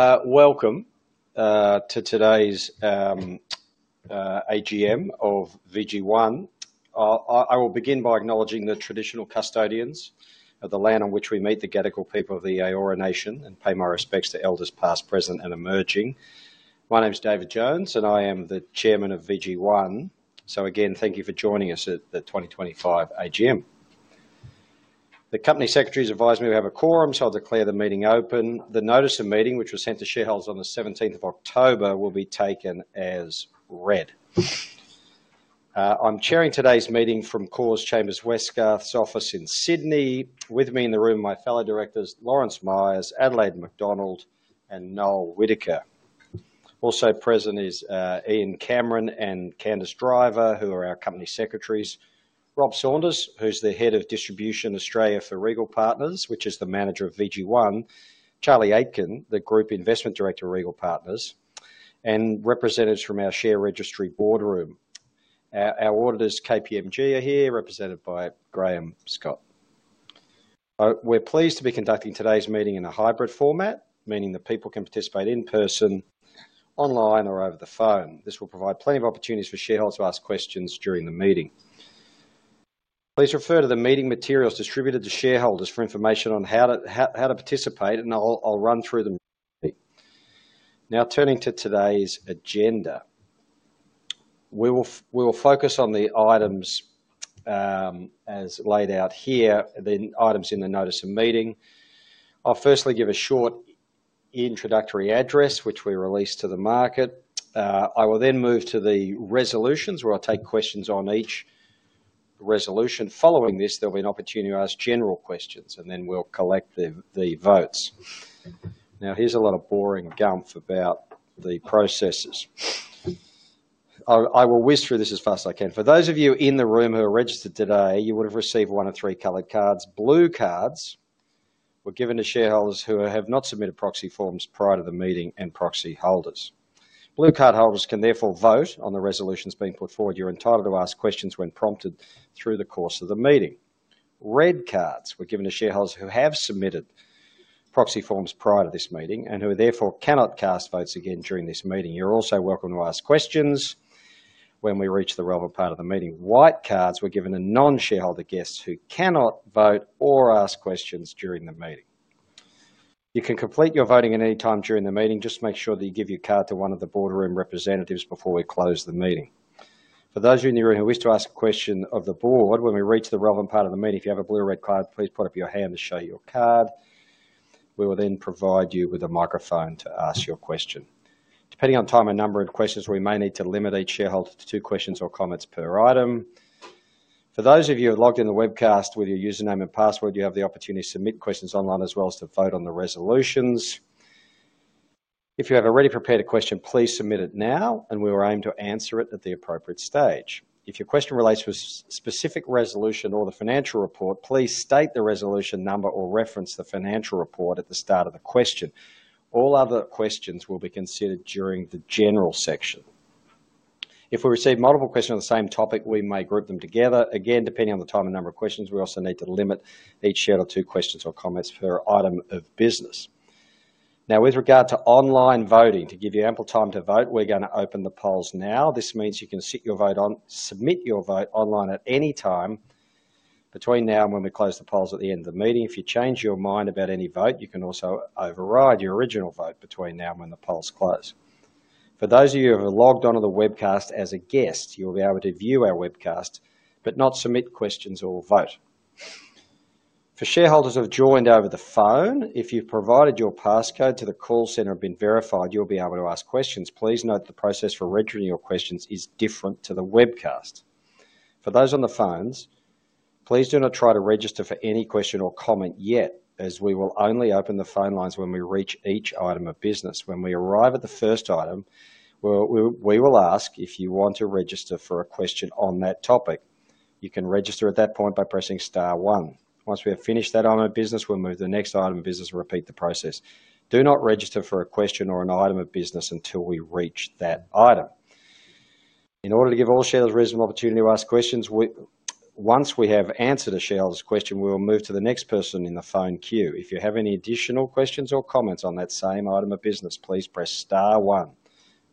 Welcome to today's AGM of VGI. I will begin by acknowledging the traditional custodians of the land on which we meet, the Gadigal people of the Eora Nation, and pay my respects to elders past, present, and emerging. My name is David Jones, and I am the Chairman of VGI. Again, thank you for joining us at the 2025 AGM. The company secretary has advised me we have a quorum, so I'll declare the meeting open. The notice of meeting, which was sent to shareholders on the 17th of October, will be taken as read. I'm chairing today's meeting from Corps Chambers Westgarth's office in Sydney. With me in the room are my fellow directors, Lawrence Myers, Adelaide McDonald, and Noel Whittaker. Also present is Ian Cameron and Candace Driver, who are our company secretaries, Rob Saunders, who's the Head of Distribution Australia for Regal Partners, which is the manager of VGI, Charlie Aitken, the Group Investment Director of Regal Partners, and representatives from our share registry Boardroom. Our auditors, KPMG, are here, represented by Graham Scott. We're pleased to be conducting today's meeting in a hybrid format, meaning that people can participate in person, online, or over the phone. This will provide plenty of opportunities for shareholders to ask questions during the meeting. Please refer to the meeting materials distributed to shareholders for information on how to participate, and I'll run through them. Now, turning to today's agenda, we will focus on the items as laid out here, the items in the notice of meeting. I'll firstly give a short introductory address, which we release to the market. I will then move to the resolutions, where I'll take questions on each resolution. Following this, there'll be an opportunity to ask general questions, and then we'll collect the votes. Now, here's a lot of boring gumf about the processes. I will whiz through this as fast as I can. For those of you in the room who are registered today, you will have received one of three colored cards. Blue cards were given to shareholders who have not submitted proxy forms prior to the meeting and proxy holders. Blue card holders can therefore vote on the resolutions being put forward. You're entitled to ask questions when prompted through the course of the meeting. Red cards were given to shareholders who have submitted proxy forms prior to this meeting and who therefore cannot cast votes again during this meeting. You're also welcome to ask questions when we reach the relevant part of the meeting. White cards were given to non-shareholder guests who cannot vote or ask questions during the meeting. You can complete your voting at any time during the meeting. Just make sure that you give your card to one of the Boardroom representatives before we close the meeting. For those of you in the room who wish to ask a question of the board, when we reach the relevant part of the meeting, if you have a blue or red card, please put up your hand to show your card. We will then provide you with a microphone to ask your question. Depending on time and number of questions, we may need to limit each shareholder to two questions or comments per item. For those of you who are logged in the webcast with your username and password, you have the opportunity to submit questions online as well as to vote on the resolutions. If you have already prepared a question, please submit it now, and we will aim to answer it at the appropriate stage. If your question relates to a specific resolution or the financial report, please state the resolution number or reference the financial report at the start of the question. All other questions will be considered during the general section. If we receive multiple questions on the same topic, we may group them together. Again, depending on the time and number of questions, we also need to limit each share to two questions or comments per item of business. Now, with regard to online voting, to give you ample time to vote, we're going to open the polls now. This means you can sit your vote on, submit your vote online at any time between now and when we close the polls at the end of the meeting. If you change your mind about any vote, you can also override your original vote between now and when the polls close. For those of you who have logged onto the webcast as a guest, you will be able to view our webcast but not submit questions or vote. For shareholders who have joined over the phone, if you've provided your passcode to the call center and been verified, you'll be able to ask questions. Please note that the process for registering your questions is different to the webcast. For those on the phones, please do not try to register for any question or comment yet, as we will only open the phone lines when we reach each item of business. When we arrive at the first item, we will ask if you want to register for a question on that topic. You can register at that point by pressing star one. Once we have finished that item of business, we will move to the next item of business and repeat the process. Do not register for a question or an item of business until we reach that item. In order to give all shareholders reasonable opportunity to ask questions, once we have answered a shareholder's question, we will move to the next person in the phone queue. If you have any additional questions or comments on that same item of business, please press star one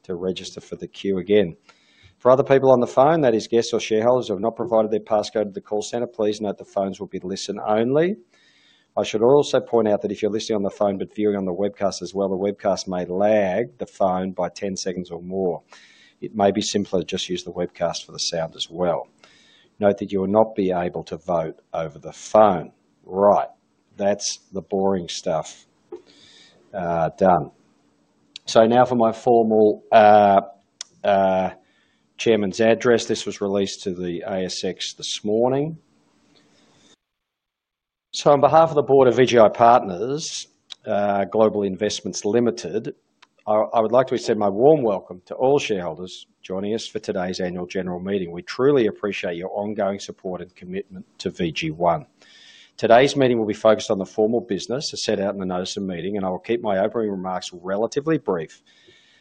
to register for the queue again. For other people on the phone, that is, guests or shareholders who have not provided their passcode to the call center, please note the phones will be listen only. I should also point out that if you're listening on the phone but viewing on the webcast as well, the webcast may lag the phone by 10 seconds or more. It may be simpler to just use the webcast for the sound as well. Note that you will not be able to vote over the phone. Right, that's the boring stuff done. Now for my formal Chairman's address. This was released to the ASX this morning. On behalf of the board of VGI Partners Global Investments Limited, I would like to extend my warm welcome to all shareholders joining us for today's annual general meeting. We truly appreciate your ongoing support and commitment to VGI. Today's meeting will be focused on the formal business as set out in the notice of meeting, and I will keep my opening remarks relatively brief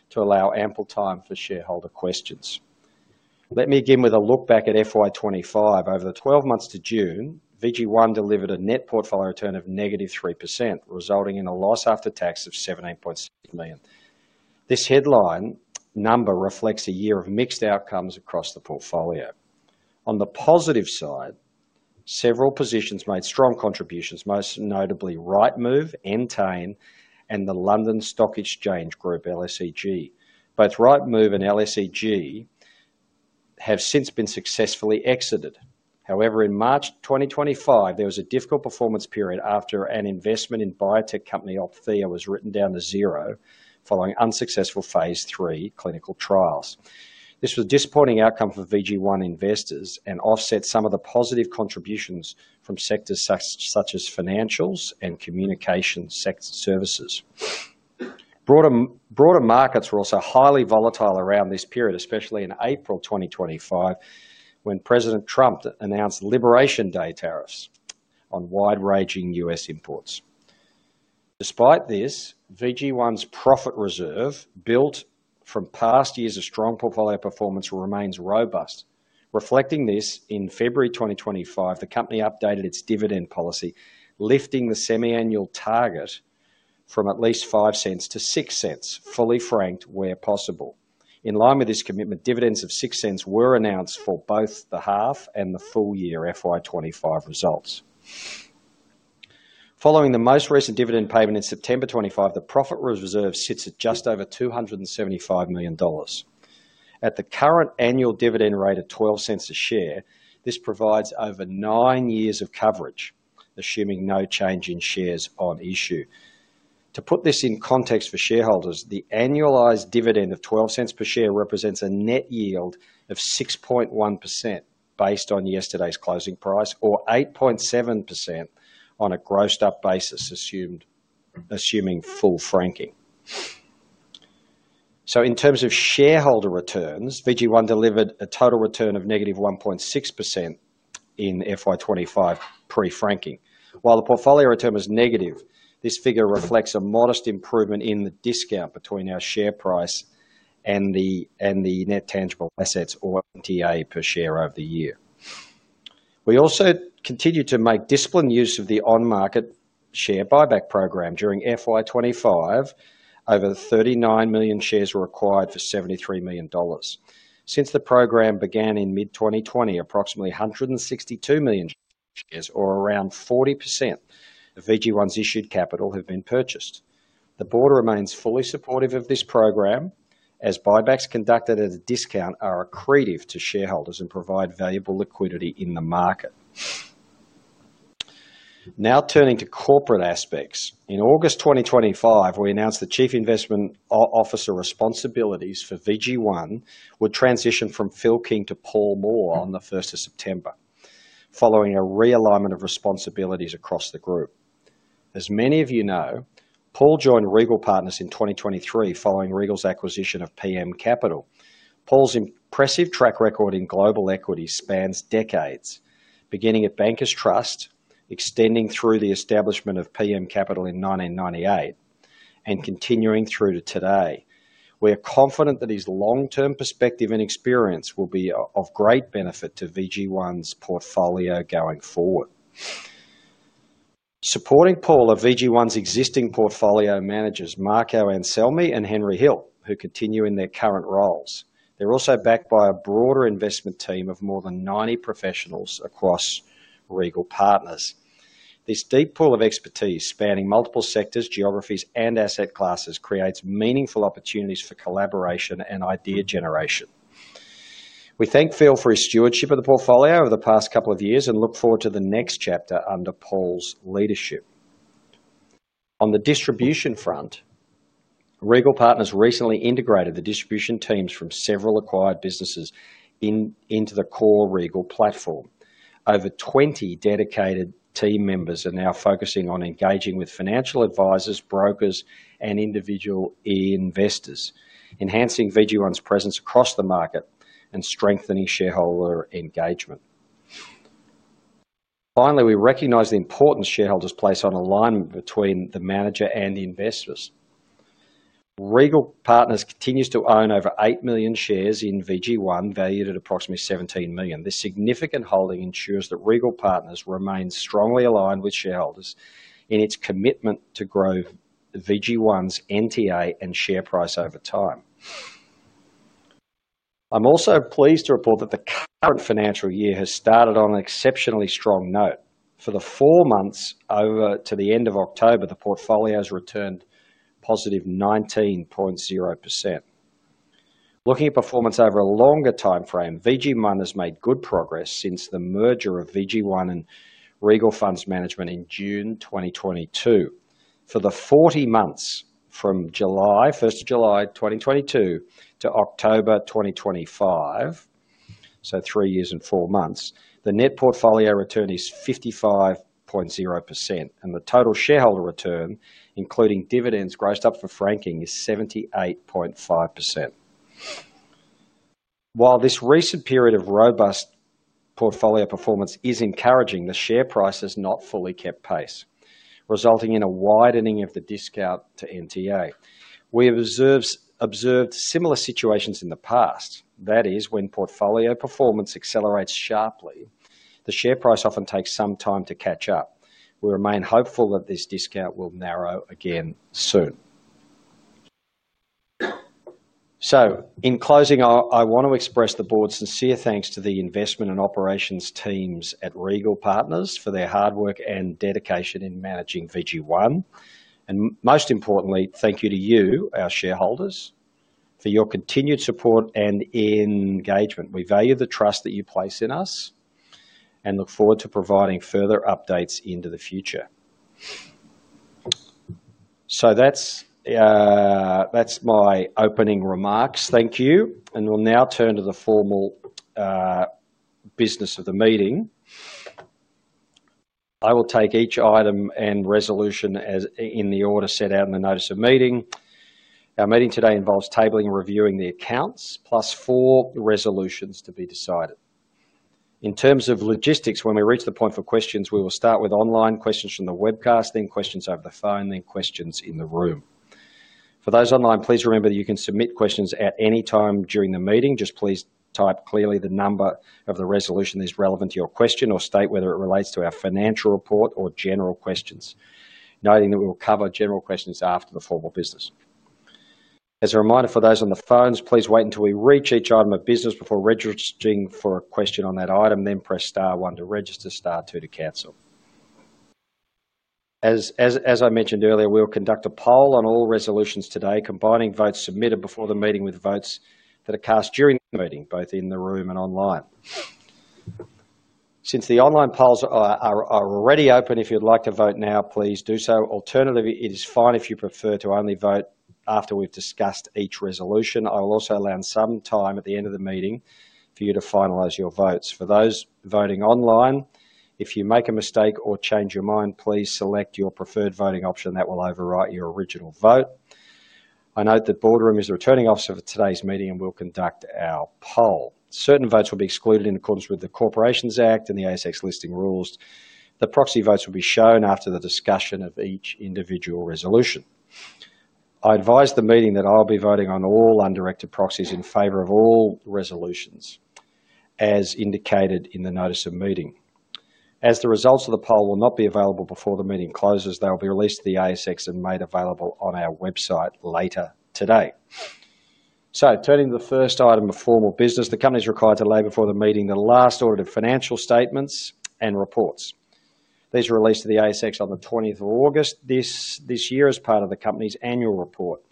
to allow ample time for shareholder questions. Let me begin with a look back at FY25. Over the 12 months to June, VGI delivered a net portfolio return of negative 3%, resulting in a loss after tax of 17.6 million. This headline number reflects a year of mixed outcomes across the portfolio. On the positive side, several positions made strong contributions, most notably Rightmove, Entain, and the London Stock Exchange Group, LSEG. Both Rightmove and LSEG have since been successfully exited. However, in March 2025, there was a difficult performance period after an investment in biotech company Opthea was written down to zero following unsuccessful phase three clinical trials. This was a disappointing outcome for VGI investors and offset some of the positive contributions from sectors such as financials and communication services. Broader markets were also highly volatile around this period, especially in April 2025, when President Trump announced Liberation Day tariffs on wide-ranging US imports. Despite this, VGI's profit reserve, built from past years of strong portfolio performance, remains robust. Reflecting this, in February 2025, the company updated its dividend policy, lifting the semi-annual target from at least 0.05 to 0.06, fully franked where possible. In line with this commitment, dividends of 0.06 were announced for both the half and the full year FY 2025 results. Following the most recent dividend payment in September 2025, the profit reserve sits at just over 275 million dollars. At the current annual dividend rate of 0.12 a share, this provides over nine years of coverage, assuming no change in shares on issue. To put this in context for shareholders, the annualized dividend of 0.12 per share represents a net yield of 6.1% based on yesterday's closing price or 8.7% on a grossed-up basis, assuming full franking. In terms of shareholder returns, VGI delivered a total return of negative 1.6% in FY 2025 pre-franking. While the portfolio return was negative, this figure reflects a modest improvement in the discount between our share price and the net tangible assets, or NTA, per share over the year. We also continue to make disciplined use of the on-market share buyback program. During FY 2025, over 39 million shares were acquired for 73 million dollars. Since the program began in mid-2020, approximately 162 million shares, or around 40% of VGI's issued capital, have been purchased. The board remains fully supportive of this program, as buybacks conducted at a discount are accretive to shareholders and provide valuable liquidity in the market. Now turning to corporate aspects, in August 2025, we announced the Chief Investment Officer responsibilities for VGI would transition from Phil King to Paul Moore on the 1st of September, following a realignment of responsibilities across the group. As many of you know, Paul joined Regal Partners in 2023 following Regal's acquisition of PM Capital. Paul's impressive track record in global equity spans decades, beginning at Bankers Trust, extending through the establishment of PM Capital in 1998, and continuing through to today. We are confident that his long-term perspective and experience will be of great benefit to VGI's portfolio going forward. Supporting Paul are VGI's existing portfolio managers, Marco Anselmi and Henry Hill, who continue in their current roles. They're also backed by a broader investment team of more than 90 professionals across Regal Partners. This deep pool of expertise, spanning multiple sectors, geographies, and asset classes, creates meaningful opportunities for collaboration and idea generation. We thank Phil for his stewardship of the portfolio over the past couple of years and look forward to the next chapter under Paul's leadership. On the distribution front, Regal Partners recently integrated the distribution teams from several acquired businesses into the core Regal platform. Over 20 dedicated team members are now focusing on engaging with financial advisors, brokers, and individual investors, enhancing VGI's presence across the market and strengthening shareholder engagement. Finally, we recognize the importance shareholders place on alignment between the manager and the investors. Regal Partners continues to own over 8 million shares in VGI, valued at approximately 17 million. This significant holding ensures that Regal Partners remains strongly aligned with shareholders in its commitment to grow VGI's NTA and share price over time. I'm also pleased to report that the current financial year has started on an exceptionally strong note. For the four months over to the end of October, the portfolio has returned +19.0%. Looking at performance over a longer time frame, VGI has made good progress since the merger of VGI and Regal Funds Management in June 2022. For the 40 months from July 1st of July 2022 to October 2025, so three years and four months, the net portfolio return is 55.0%, and the total shareholder return, including dividends grossed up for franking, is 78.5%. While this recent period of robust portfolio performance is encouraging, the share price has not fully kept pace, resulting in a widening of the discount to NTA. We have observed similar situations in the past. That is, when portfolio performance accelerates sharply, the share price often takes some time to catch up. We remain hopeful that this discount will narrow again soon. In closing, I want to express the board's sincere thanks to the investment and operations teams at Regal Partners for their hard work and dedication in managing VGI. Most importantly, thank you to you, our shareholders, for your continued support and engagement. We value the trust that you place in us and look forward to providing further updates into the future. That is my opening remarks. Thank you. We will now turn to the formal business of the meeting. I will take each item and resolution in the order set out in the notice of meeting. Our meeting today involves tabling and reviewing the accounts, plus four resolutions to be decided. In terms of logistics, when we reach the point for questions, we will start with online questions from the webcast, then questions over the phone, then questions in the room. For those online, please remember that you can submit questions at any time during the meeting. Just please type clearly the number of the resolution that is relevant to your question or state whether it relates to our financial report or general questions, noting that we will cover general questions after the formal business. As a reminder, for those on the phones, please wait until we reach each item of business before registering for a question on that item, then press star one to register, star two to cancel. As I mentioned earlier, we will conduct a poll on all resolutions today, combining votes submitted before the meeting with votes that are cast during the meeting, both in the room and online. Since the online polls are already open, if you'd like to vote now, please do so. Alternatively, it is fine if you prefer to only vote after we've discussed each resolution. I will also allow some time at the end of the meeting for you to finalise your votes. For those voting online, if you make a mistake or change your mind, please select your preferred voting option. That will overwrite your original vote. I note that Boardroom is the returning officer for today's meeting and will conduct our poll. Certain votes will be excluded in accordance with the Corporations Act and the ASX listing rules. The proxy votes will be shown after the discussion of each individual resolution. I advise the meeting that I'll be voting on all undirected proxies in favor of all resolutions, as indicated in the notice of meeting. As the results of the poll will not be available before the meeting closes, they will be released to the ASX and made available on our website later today. Turning to the first item of formal business, the company is required to lay before the meeting the last audited financial statements and reports. These are released to the ASX on the 20th of August this year as part of the company's annual report.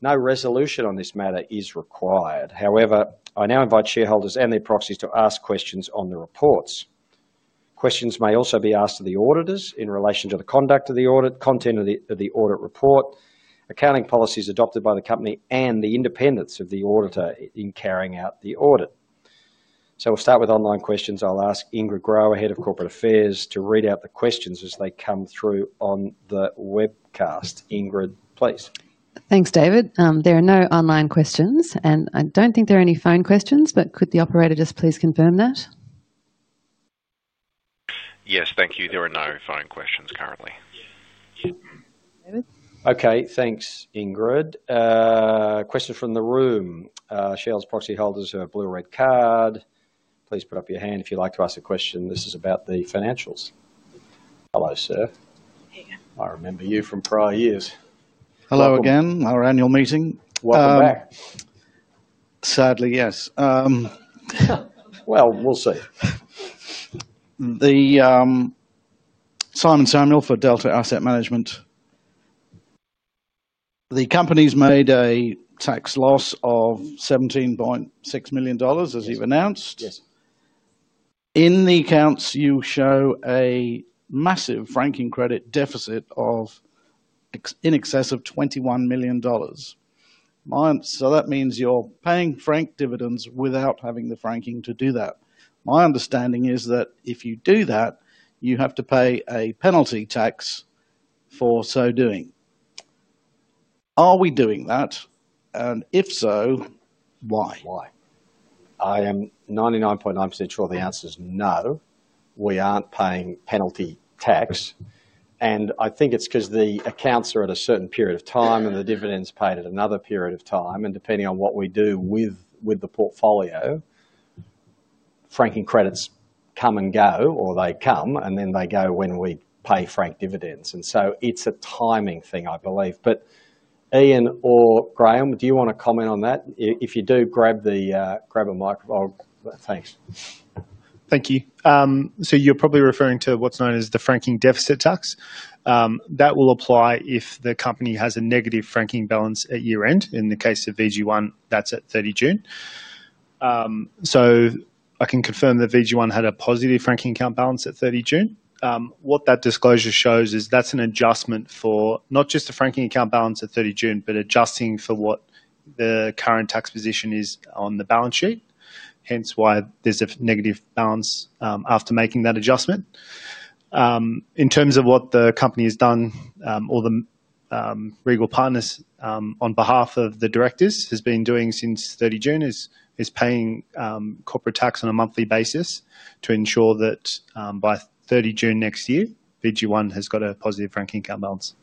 No resolution on this matter is required. However, I now invite shareholders and their proxies to ask questions on the reports. Questions may also be asked to the auditors in relation to the conduct of the audit, content of the audit report, accounting policies adopted by the company, and the independence of the auditor in carrying out the audit. We will start with online questions. I will ask Ingrid Groer, Head of Corporate Affairs, to read out the questions as they come through on the webcast. Ingrid, please. Thanks, David. There are no online questions, and I do not think there are any phone questions, but could the operator just please confirm that? Yes, thank you. There are no phone questions currently. Okay, thanks, Ingrid. Question from the room. Shareholders' proxy holders who have a blue or red card, please put up your hand if you would like to ask a question. This is about the financials. Hello, sir. I remember you from prior years. Hello again. Our annual meeting. Welcome back. Sadly, yes. We'll see. Simon Samuel for Delta Asset Management. The company's made a tax loss of 17.6 million dollars, as you've announced. In the accounts, you show a massive franking credit deficit of in excess of 21 million dollars. That means you're paying frank dividends without having the franking to do that. My understanding is that if you do that, you have to pay a penalty tax for so doing. Are we doing that? If so, why? I am 99.9% sure the answer is no. We aren't paying penalty tax. I think it's because the accounts are at a certain period of time, and the dividends paid at another period of time. Depending on what we do with the portfolio, franking credits come and go, or they come, and then they go when we pay frank dividends. It's a timing thing, I believe. Ian or Graham, do you want to comment on that? If you do, grab a microphone. Thanks. Thank you. You're probably referring to what's known as the franking deficit tax. That will apply if the company has a negative franking balance at year-end. In the case of VGI, that's at 30 June. I can confirm that VGI had a positive franking account balance at 30 June. What that disclosure shows is that's an adjustment for not just the franking account balance at 30 June, but adjusting for what the current tax position is on the balance sheet, hence why there's a negative balance after making that adjustment. In terms of what the company has done, or the Regal Partners on behalf of the directors has been doing since 30 June, is paying corporate tax on a monthly basis to ensure that by 30 June next year, VGI has got a positive franking account balance.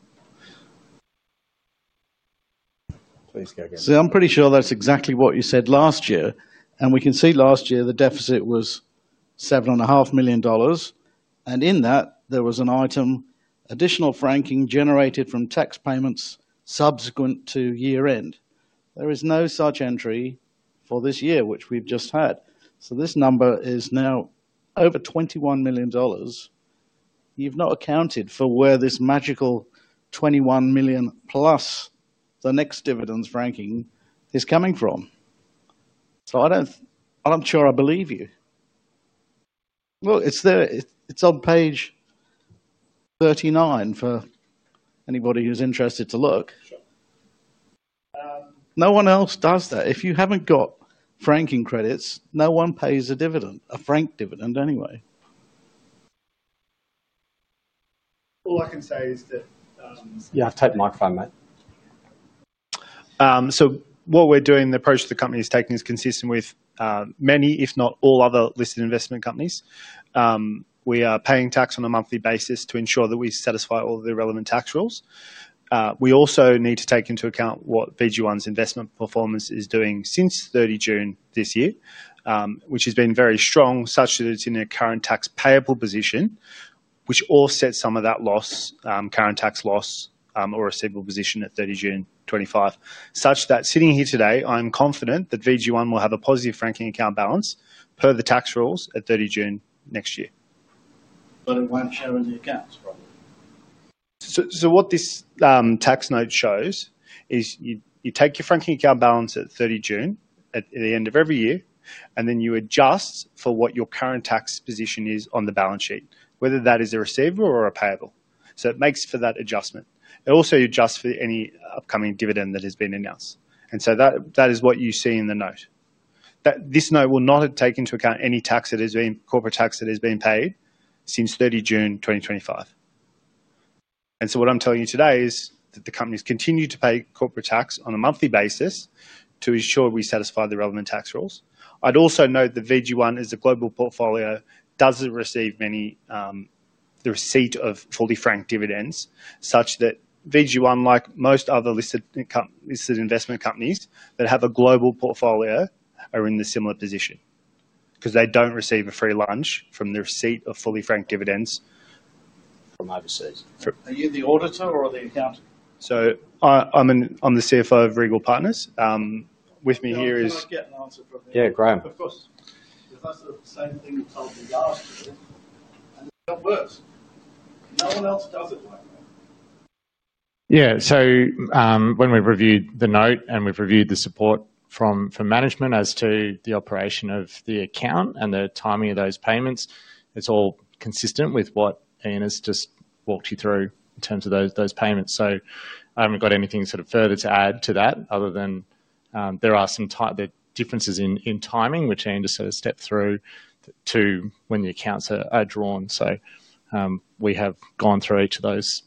Please go again. I'm pretty sure that's exactly what you said last year. We can see last year the deficit was 7.5 million dollars. In that, there was an item, additional franking generated from tax payments subsequent to year-end. There is no such entry for this year, which we've just had. This number is now over 21 million dollars. You've not accounted for where this magical 21 million plus the next dividends franking is coming from. I'm not sure I believe you. It's on page 39 for anybody who's interested to look. No one else does that. If you haven't got franking credits, no one pays a dividend, a frank dividend anyway. All I can say is that. Yeah, take the microphone, mate. What we're doing, the approach the company is taking, is consistent with many, if not all, other listed investment companies. We are paying tax on a monthly basis to ensure that we satisfy all the relevant tax rules. We also need to take into account what VGI's investment performance is doing since 30 June this year, which has been very strong such that it's in a current tax payable position, which offsets some of that loss, current tax loss, or receivable position at 30 June 2025, such that sitting here today, I'm confident that VGI will have a positive franking account balance per the tax rules at 30 June next year. It won't show in the accounts, probably. What this tax note shows is you take your franking account balance at 30 June, at the end of every year, and then you adjust for what your current tax position is on the balance sheet, whether that is a receivable or a payable. It makes for that adjustment. It also adjusts for any upcoming dividend that has been announced. That is what you see in the note. This note will not take into account any tax, corporate tax that has been paid since 30 June 2025. What I'm telling you today is that the company has continued to pay corporate tax on a monthly basis to ensure we satisfy the relevant tax rules. I'd also note that VGI, as the global portfolio, doesn't receive the receipt of fully franked dividends, such that VGI, like most other listed investment companies that have a global portfolio, are in the similar position because they don't receive a free lunch from the receipt of fully franked dividends from overseas. Are you the auditor or the accountant? I'm the CFO of Regal Partners. With me here is. I don't know if I've got an answer from there. Yeah, Graham. Of course. That's the same thing you told me yesterday. It works. No one else does it like that. Yeah. When we've reviewed the note and we've reviewed the support from management as to the operation of the account and the timing of those payments, it's all consistent with what Ian has just walked you through in terms of those payments. I have not got anything sort of further to add to that other than there are some differences in timing, which Ian just sort of stepped through to when the accounts are drawn. We have gone through each of those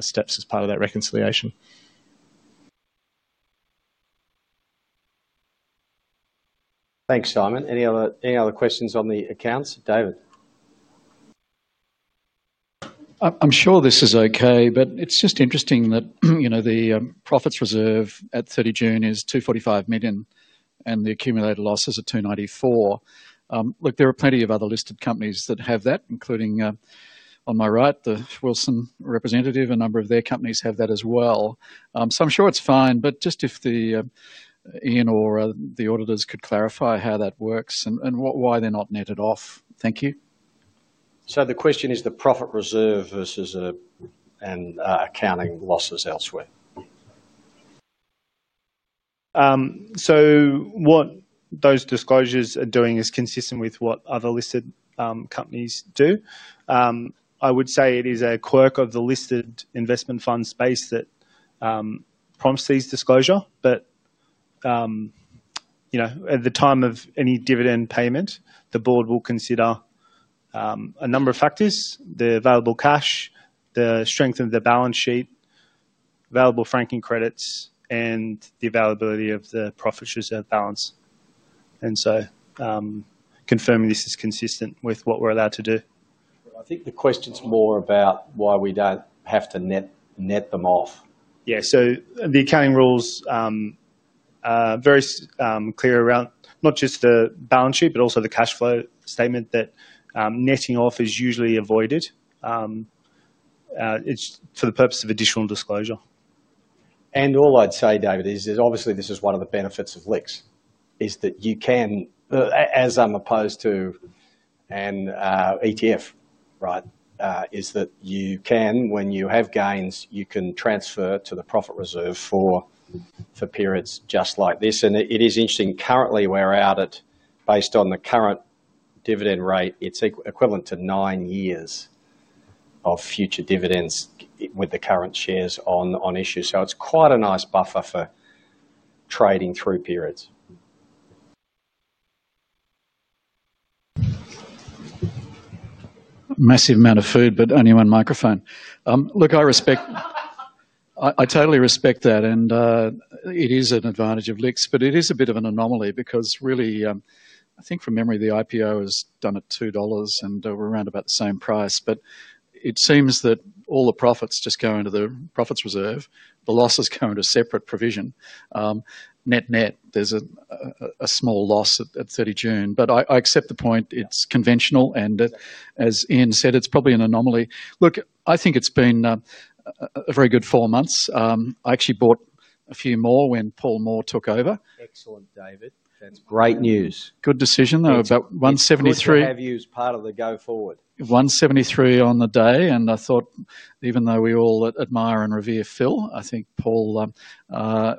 steps as part of that reconciliation. Thanks, Simon. Any other questions on the accounts? David. I am sure this is okay, but it is just interesting that the profit reserve at 30 June is 245 million, and the accumulated losses are 294 million. There are plenty of other listed companies that have that, including on my right, the Wilson representative. A number of their companies have that as well. I am sure it is fine, but just if Ian or the auditors could clarify how that works and why they are not netted off. Thank you. The question is the profit reserve versus accounting losses elsewhere. What those disclosures are doing is consistent with what other listed companies do. I would say it is a quirk of the listed investment fund space that prompts these disclosures. At the time of any dividend payment, the board will consider a number of factors: the available cash, the strength of the balance sheet, available franking credits, and the availability of the profit reserve balance. Confirming this is consistent with what we are allowed to do. I think the question is more about why we do not have to net them off. Yeah. The accounting rules are very clear around not just the balance sheet, but also the cash flow statement that netting off is usually avoided for the purpose of additional disclosure. All I'd say, David, is obviously this is one of the benefits of LICs, is that you can, as opposed to an ETF, right, is that you can, when you have gains, you can transfer to the profit reserve for periods just like this. It is interesting currently we're out at, based on the current dividend rate, it's equivalent to nine years of future dividends with the current shares on issue. It's quite a nice buffer for trading through periods. Massive amount of food, but only one microphone. Look, I respect that. I totally respect that. It is an advantage of LICs, but it is a bit of an anomaly because really, I think from memory, the IPO was done at 2 dollars, and we're around about the same price. It seems that all the profits just go into the profit reserve. The losses go into separate provision. Net net, there's a small loss at 30 June. I accept the point. It's conventional. As Ian said, it's probably an anomaly. Look, I think it's been a very good four months. I actually bought a few more when Paul Moore took over. Excellent, David. That's great news. Good decision, though, about 173. I thought the preview is part of the go-forward. 173 on the day. I thought, even though we all admire and revere Phil, I think Paul,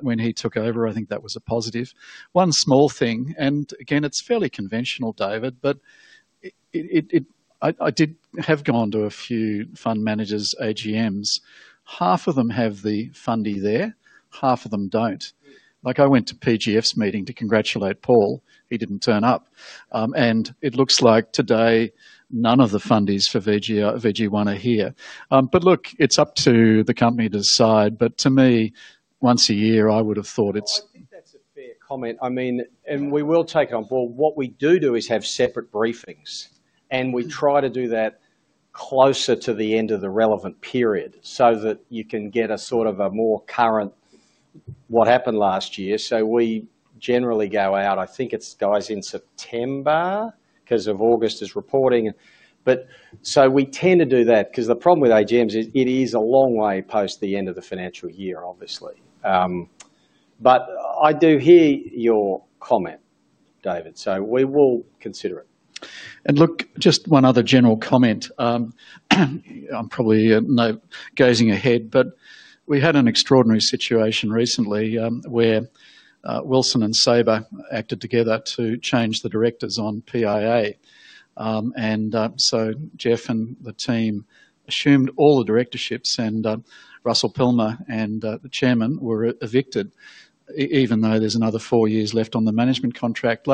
when he took over, I think that was a positive. One small thing, and again, it's fairly conventional, David, but I did have gone to a few fund managers' AGMs. Half of them have the fundy there. Half of them don't. I went to PGF's meeting to congratulate Paul. He didn't turn up. It looks like today none of the fundies for VGI are here. Look, it's up to the company to decide. To me, once a year, I would have thought it's— I think that's a fair comment. I mean, we will take that on board. What we do do is have separate briefings, and we try to do that closer to the end of the relevant period so that you can get a sort of a more current what happened last year. We generally go out—I think it goes in September because of August's reporting. We tend to do that because the problem with AGMs is it is a long way post the end of the financial year, obviously. I do hear your comment, David. We will consider it. Just one other general comment. I'm probably going ahead, but we had an extraordinary situation recently where Wilson and Saber acted together to change the directors on PIA. Jeff and the team assumed all the directorships, and Russell Palmer and the chairman were evicted, even though there's another four years left on the management contract.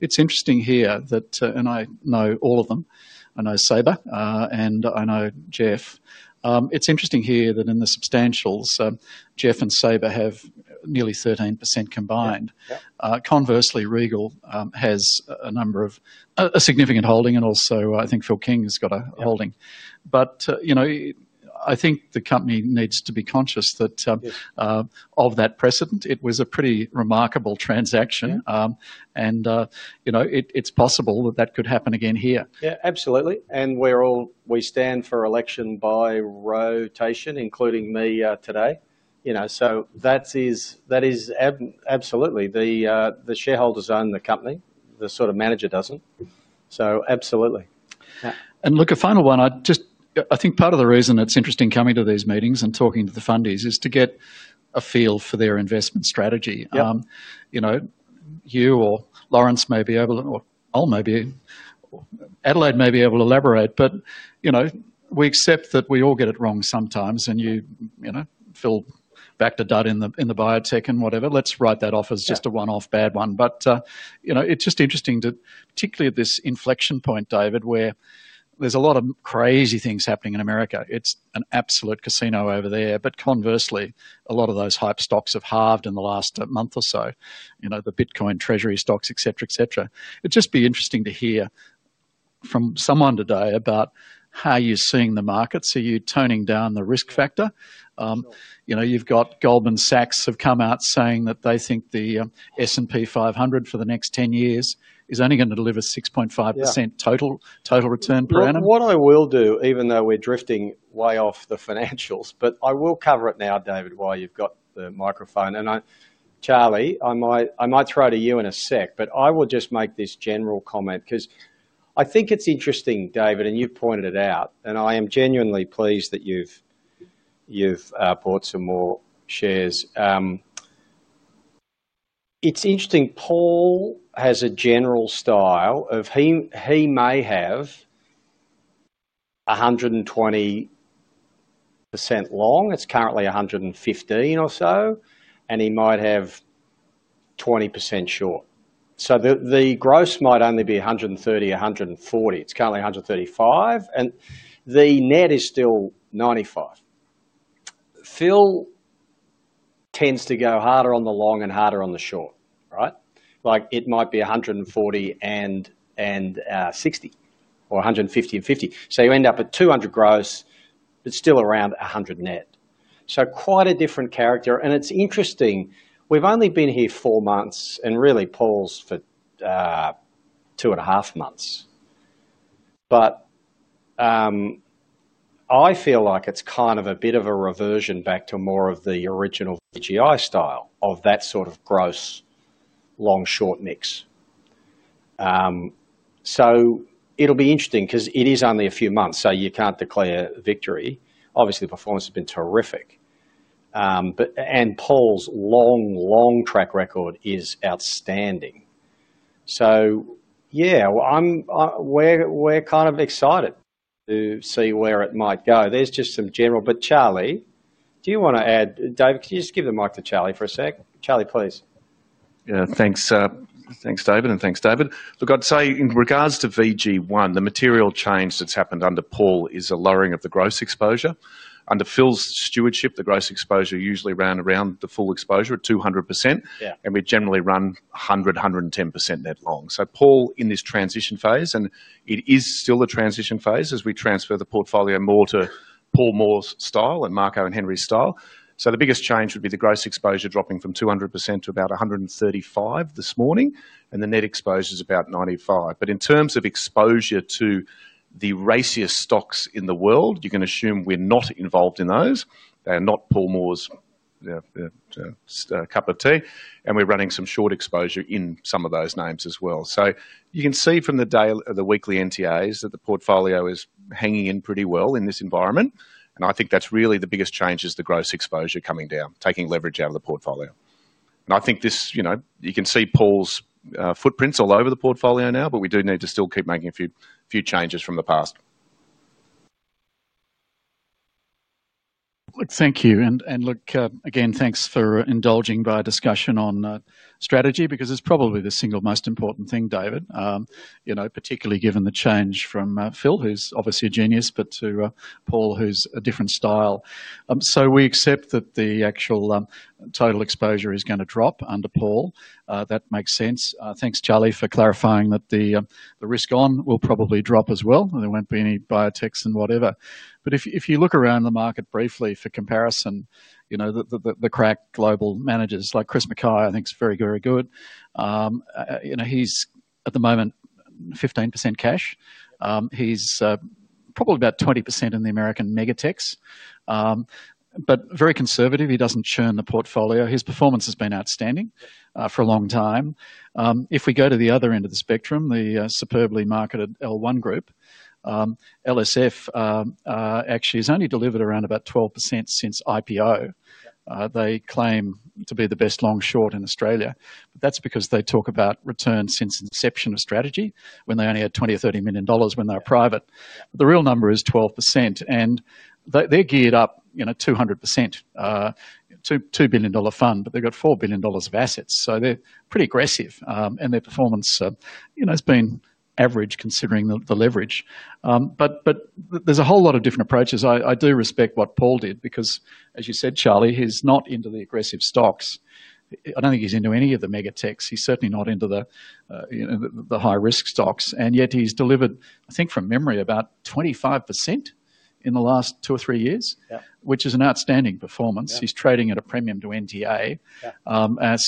It's interesting here that, and I know all of them, I know Saber, and I know Jeff. It's interesting here that in the substantials, Jeff and Saber have nearly 13% combined. Conversely, Regal has a number of a significant holding, and also I think Phil King has got a holding. I think the company needs to be conscious of that precedent. It was a pretty remarkable transaction. It's possible that that could happen again here. Yeah, absolutely. We stand for election by rotation, including me today. That is absolutely the shareholders own the company. The sort of manager does not. Absolutely. Look, a final one. I think part of the reason it is interesting coming to these meetings and talking to the fundies is to get a feel for their investment strategy. You or Lawrence may be able, or Paul may be, Adelaide may be able to elaborate. We accept that we all get it wrong sometimes, and you feel back to Dud in the biotech and whatever. Let us write that off as just a one-off bad one. It is just interesting to, particularly at this inflection point, David, where there is a lot of crazy things happening in America. It is an absolute casino over there. Conversely, a lot of those hype stocks have halved in the last month or so, the Bitcoin treasury stocks, etc., etc. It would just be interesting to hear from someone today about how you are seeing the market. You're turning down the risk factor. You've got Goldman Sachs have come out saying that they think the S&P 500 for the next 10 years is only going to deliver 6.5% total return per annum. What I will do, even though we're drifting way off the financials, but I will cover it now, David, while you've got the microphone. Charlie, I might throw to you in a sec, but I will just make this general comment because I think it's interesting, David, and you've pointed it out, and I am genuinely pleased that you've bought some more shares. It's interesting. Paul has a general style of he may have 120% long. It's currently 115 or so, and he might have 20% short. The gross might only be 130-140. It's currently 135, and the net is still 95. Phil tends to go harder on the long and harder on the short, right? It might be 140 and 60 or 150 and 50. You end up at 200 gross, but still around 100 net. Quite a different character. It is interesting. We have only been here four months, and really, Paul's for two and a half months. I feel like it is kind of a bit of a reversion back to more of the original VGI style of that sort of gross long-short mix. It will be interesting because it is only a few months, so you cannot declare victory. Obviously, the performance has been terrific. Paul's long, long track record is outstanding. We are kind of excited to see where it might go. There is just some general. Charlie, do you want to add? David, can you just give the mic to Charlie for a sec? Charlie, please. Yeah, thanks, David, and thanks, David. Look, I'd say in regards to VGI, the material change that's happened under Paul is a lowering of the gross exposure. Under Phil's stewardship, the gross exposure usually ran around the full exposure at 200%, and we generally run 100%-110% net long. So Paul, in this transition phase, and it is still a transition phase as we transfer the portfolio more to Paul Moore's style and Marco and Henry's style. The biggest change would be the gross exposure dropping from 200% to about 135% this morning, and the net exposure is about 95%. In terms of exposure to the racist stocks in the world, you can assume we're not involved in those. They're not Paul Moore's cup of tea, and we're running some short exposure in some of those names as well. You can see from the weekly NTAs that the portfolio is hanging in pretty well in this environment. I think that's really the biggest change is the gross exposure coming down, taking leverage out of the portfolio. I think you can see Paul's footprints all over the portfolio now, but we do need to still keep making a few changes from the past. Look, thank you. Again, thanks for indulging my discussion on strategy because it's probably the single most important thing, David, particularly given the change from Phil, who's obviously a genius, but to Paul, who's a different style. We accept that the actual total exposure is going to drop under Paul. That makes sense. Thanks, Charlie, for clarifying that the risk-on will probably drop as well. There won't be any biotechs and whatever. If you look around the market briefly for comparison, the crack global managers like Chris Mackay, I think it's very, very good. He's at the moment 15% cash. He's probably about 20% in the American mega techs, but very conservative. He doesn't churn the portfolio. His performance has been outstanding for a long time. If we go to the other end of the spectrum, the superbly marketed L1 group, LSF actually has only delivered around about 12% since IPO. They claim to be the best long-short in Australia. That's because they talk about returns since inception of strategy when they only had $20 million or $30 million when they were private. The real number is 12%, and they're geared up 200%, $2 billion fund, but they've got $4 billion of assets. They're pretty aggressive, and their performance has been average considering the leverage. There are a whole lot of different approaches. I do respect what Paul did because, as you said, Charlie, he's not into the aggressive stocks. I don't think he's into any of the mega techs. He's certainly not into the high-risk stocks. Yet he's delivered, I think from memory, about 25% in the last two or three years, which is an outstanding performance. He's trading at a premium to NTA.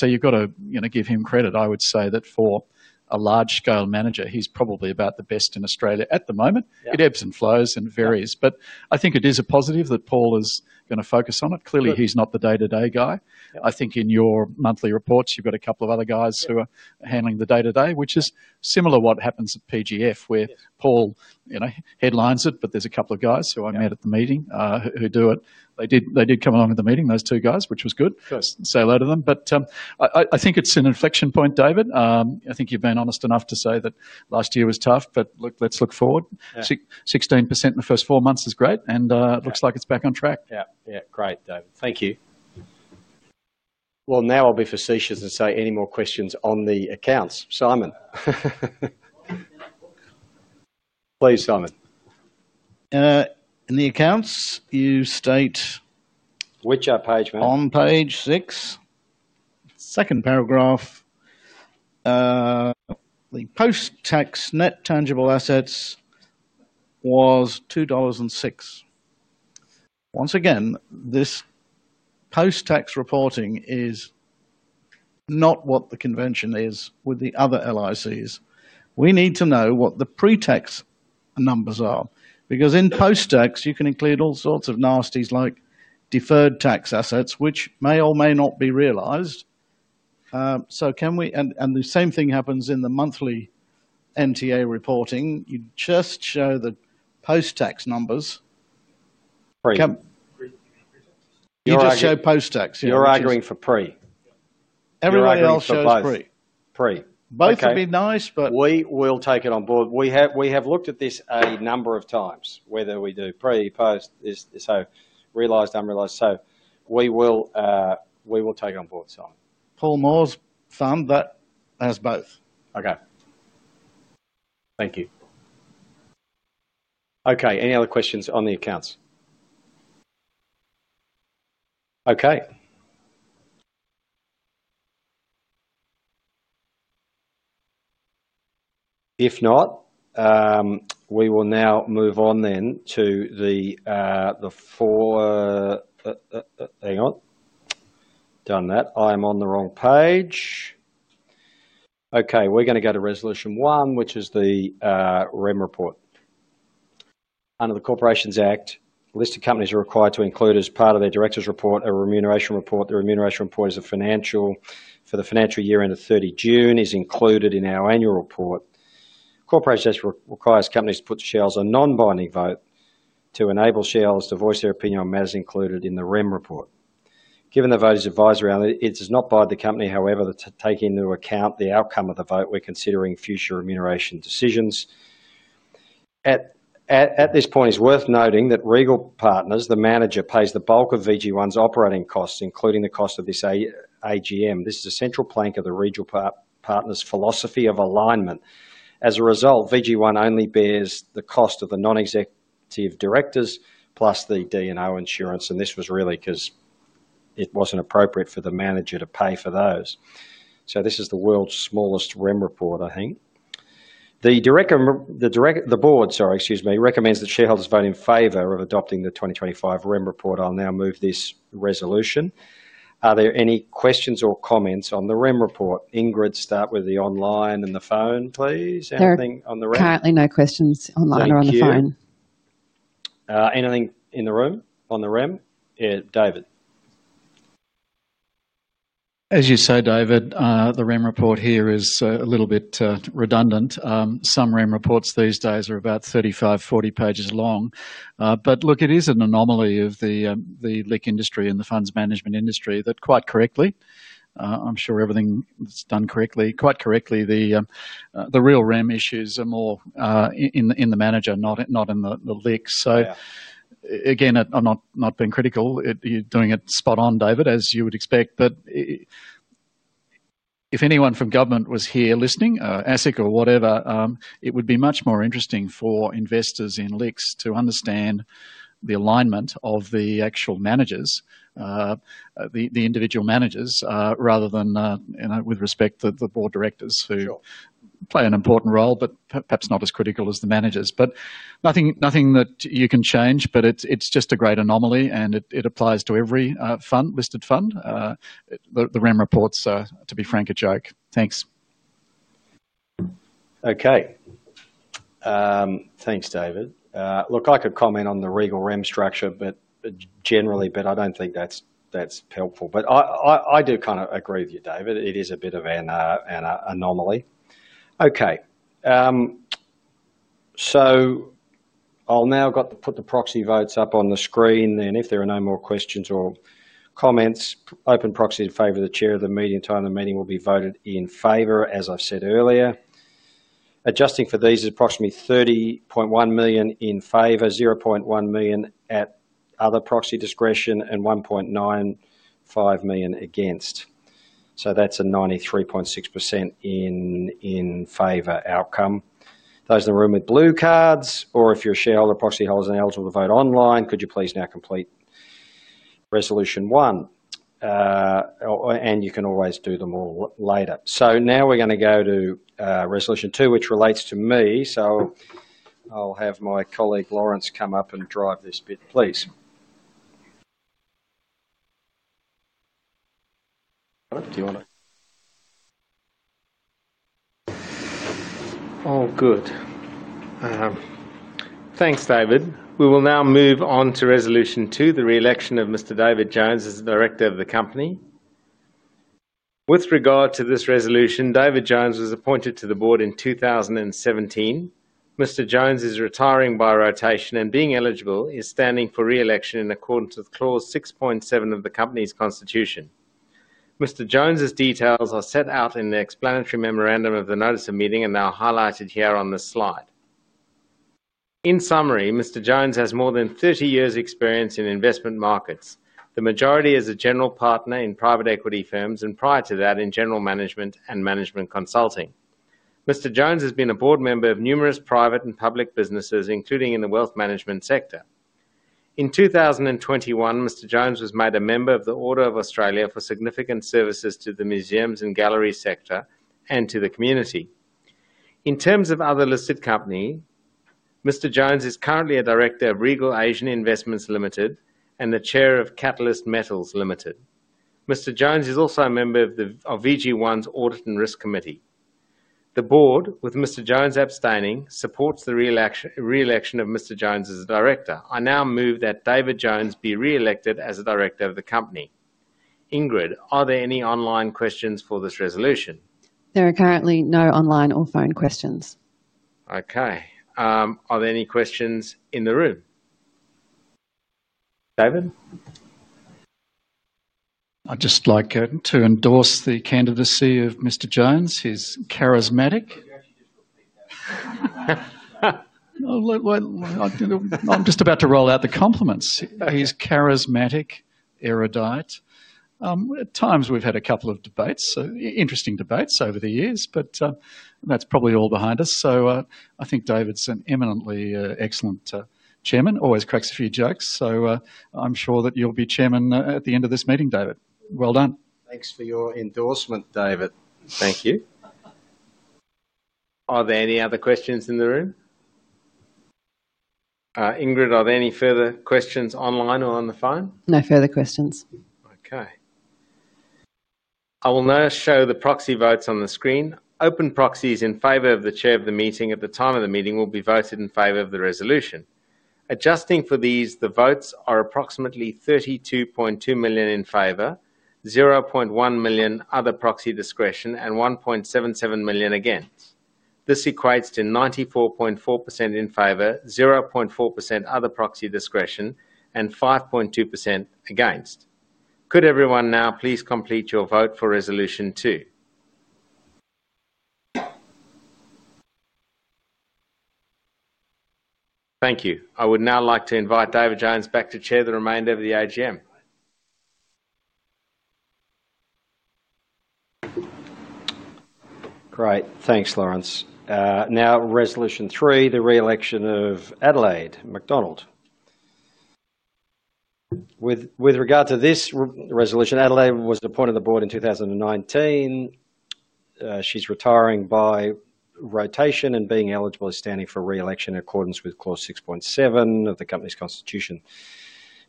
You've got to give him credit. I would say that for a large-scale manager, he's probably about the best in Australia at the moment. It ebbs and flows and varies. I think it is a positive that Paul is going to focus on it. Clearly, he's not the day-to-day guy. I think in your monthly reports, you've got a couple of other guys who are handling the day-to-day, which is similar to what happens at PGF, where Paul headlines it, but there's a couple of guys who I met at the meeting who do it. They did come along at the meeting, those two guys, which was good. Say hello to them. I think it's an inflection point, David. I think you've been honest enough to say that last year was tough, but look, let's look forward. 16% in the first four months is great, and it looks like it's back on track. Yeah. Yeah. Great, David. Thank you. Now I'll be facetious and say any more questions on the accounts. Simon. Please, Simon. In the accounts, you state. Which page, man? On page six, second paragraph, the post-tax net tangible assets was $2.06. Once again, this post-tax reporting is not what the convention is with the other LICs. We need to know what the pre-tax numbers are because in post-tax, you can include all sorts of nasties like deferred tax assets, which may or may not be realized. The same thing happens in the monthly NTA reporting. You just show the post-tax numbers. You just show post-tax. You're arguing for pre. Everyone else shows pre. Pre. Both would be nice, but we will take it on board. We have looked at this a number of times, whether we do pre, post, so realized, unrealized. We will take it on board, Simon. Paul Moore's fund that has both. Okay. Thank you. Okay. Any other questions on the accounts? Okay. If not, we will now move on then to the four. Hang on. Done that. I am on the wrong page. Okay. We're going to go to resolution one, which is the REM report. Under the Corporations Act, listed companies are required to include as part of their directors' report a remuneration report. The remuneration report is for the financial year end of 30 June and is included in our annual report. The Corporations Act requires companies to put shares on non-binding vote to enable shareholders to voice their opinion on matters included in the REM report. Given the vote is advisory, it does not bind the company. However, we do take into account the outcome of the vote when considering future remuneration decisions. At this point, it's worth noting that Regal Partners, the manager, pays the bulk of VGI's operating costs, including the cost of this AGM. This is a central plank of the Regal Partners' philosophy of alignment. As a result, VGI only bears the cost of the non-executive directors plus the D&O insurance. This was really because it was not appropriate for the manager to pay for those. This is the world's smallest REM report, I think. The board, sorry, excuse me, recommends that shareholders vote in favor of adopting the 2025 REM report. I will now move this resolution. Are there any questions or comments on the REM report? Ingrid, start with the online and the phone, please. Anything on the REM? Currently, no questions online or on the phone. Anything in the room on the REM? David. As you say, David, the REM report here is a little bit redundant. Some REM reports these days are about 35-40 pages long. Look, it is an anomaly of the LIC industry and the funds management industry that quite correctly, I'm sure everything's done quite correctly, the real REM issues are more in the manager, not in the LICs. Again, I'm not being critical. You're doing it spot on, David, as you would expect. If anyone from government was here listening, ASIC or whatever, it would be much more interesting for investors in LICs to understand the alignment of the actual managers, the individual managers, rather than with respect to the board directors who play an important role, but perhaps not as critical as the managers. Nothing that you can change, but it's just a great anomaly, and it applies to every listed fund. The REM reports, to be frank, are a joke. Thanks. Okay. Thanks, David. Look, I could comment on the Regal REM structure, but generally, I do not think that is helpful. I do kind of agree with you, David. It is a bit of an anomaly. Okay. I will now put the proxy votes up on the screen. If there are no more questions or comments, open proxy in favor of the Chair of the meeting. The time of the meeting will be voted in favor, as I have said earlier. Adjusting for these is approximately 30.1 million in favor, 0.1 million at other proxy discretion, and 1.95 million against. That is a 93.6% in favor outcome. Those in the room with blue cards, or if you are a shareholder, proxy holders are eligible to vote online. Could you please now complete resolution one? You can always do them all later. Now we are going to go to resolution two, which relates to me. I'll have my colleague Lawrence come up and drive this bit, please. Do you want to? Oh, good. Thanks, David. We will now move on to resolution two, the reelection of Mr. David Jones as director of the company. With regard to this resolution, David Jones was appointed to the board in 2017. Mr. Jones is retiring by rotation and, being eligible, is standing for reelection in accordance with clause 6.7 of the company's constitution. Mr. Jones's details are set out in the explanatory memorandum of the notice of meeting and are highlighted here on this slide. In summary, Mr. Jones has more than 30 years' experience in investment markets, the majority as a general partner in private equity firms, and prior to that in general management and management consulting. Mr. Jones has been a board member of numerous private and public businesses, including in the wealth management sector. In 2021, Mr. Jones was made a member of the Order of Australia for significant services to the museums and gallery sector and to the community. In terms of other listed companies, Mr. Jones is currently a director of Regal Asian Investments Limited and the chair of Catalyst Metals Limited. Mr. Jones is also a member of VGI's audit and risk committee. The board, with Mr. Jones abstaining, supports the reelection of Mr. Jones as a director. I now move that David Jones be reelected as a director of the company. Ingrid, are there any online questions for this resolution? There are currently no online or phone questions. Okay. Are there any questions in the room? David? I'd just like to endorse the candidacy of Mr. Jones. He's charismatic. I'm just about to roll out the compliments. He's charismatic, erudite. At times, we've had a couple of interesting debates over the years, but that's probably all behind us. I think David's an eminently excellent chairman. Always cracks a few jokes. I'm sure that you'll be chairman at the end of this meeting, David. Well done. Thanks for your endorsement, David. Thank you. Are there any other questions in the room? Ingrid, are there any further questions online or on the phone? No further questions. Okay. I will now show the proxy votes on the screen. Open proxies in favor of the chair of the meeting at the time of the meeting will be voted in favor of the resolution. Adjusting for these, the votes are approximately 32.2 million in favor, 0.1 million other proxy discretion, and 1.77 million against. This equates to 94.4% in favor, 0.4% other proxy discretion, and 5.2% against. Could everyone now please complete your vote for resolution two? Thank you. I would now like to invite David Jones back to chair the remainder of the AGM. Great. Thanks, Lawrence. Now, resolution three, the reelection of Adelaide McDonald. With regard to this resolution, Adelaide was appointed to the board in 2019. She's retiring by rotation and being eligible and standing for reelection in accordance with clause 6.7 of the company's constitution.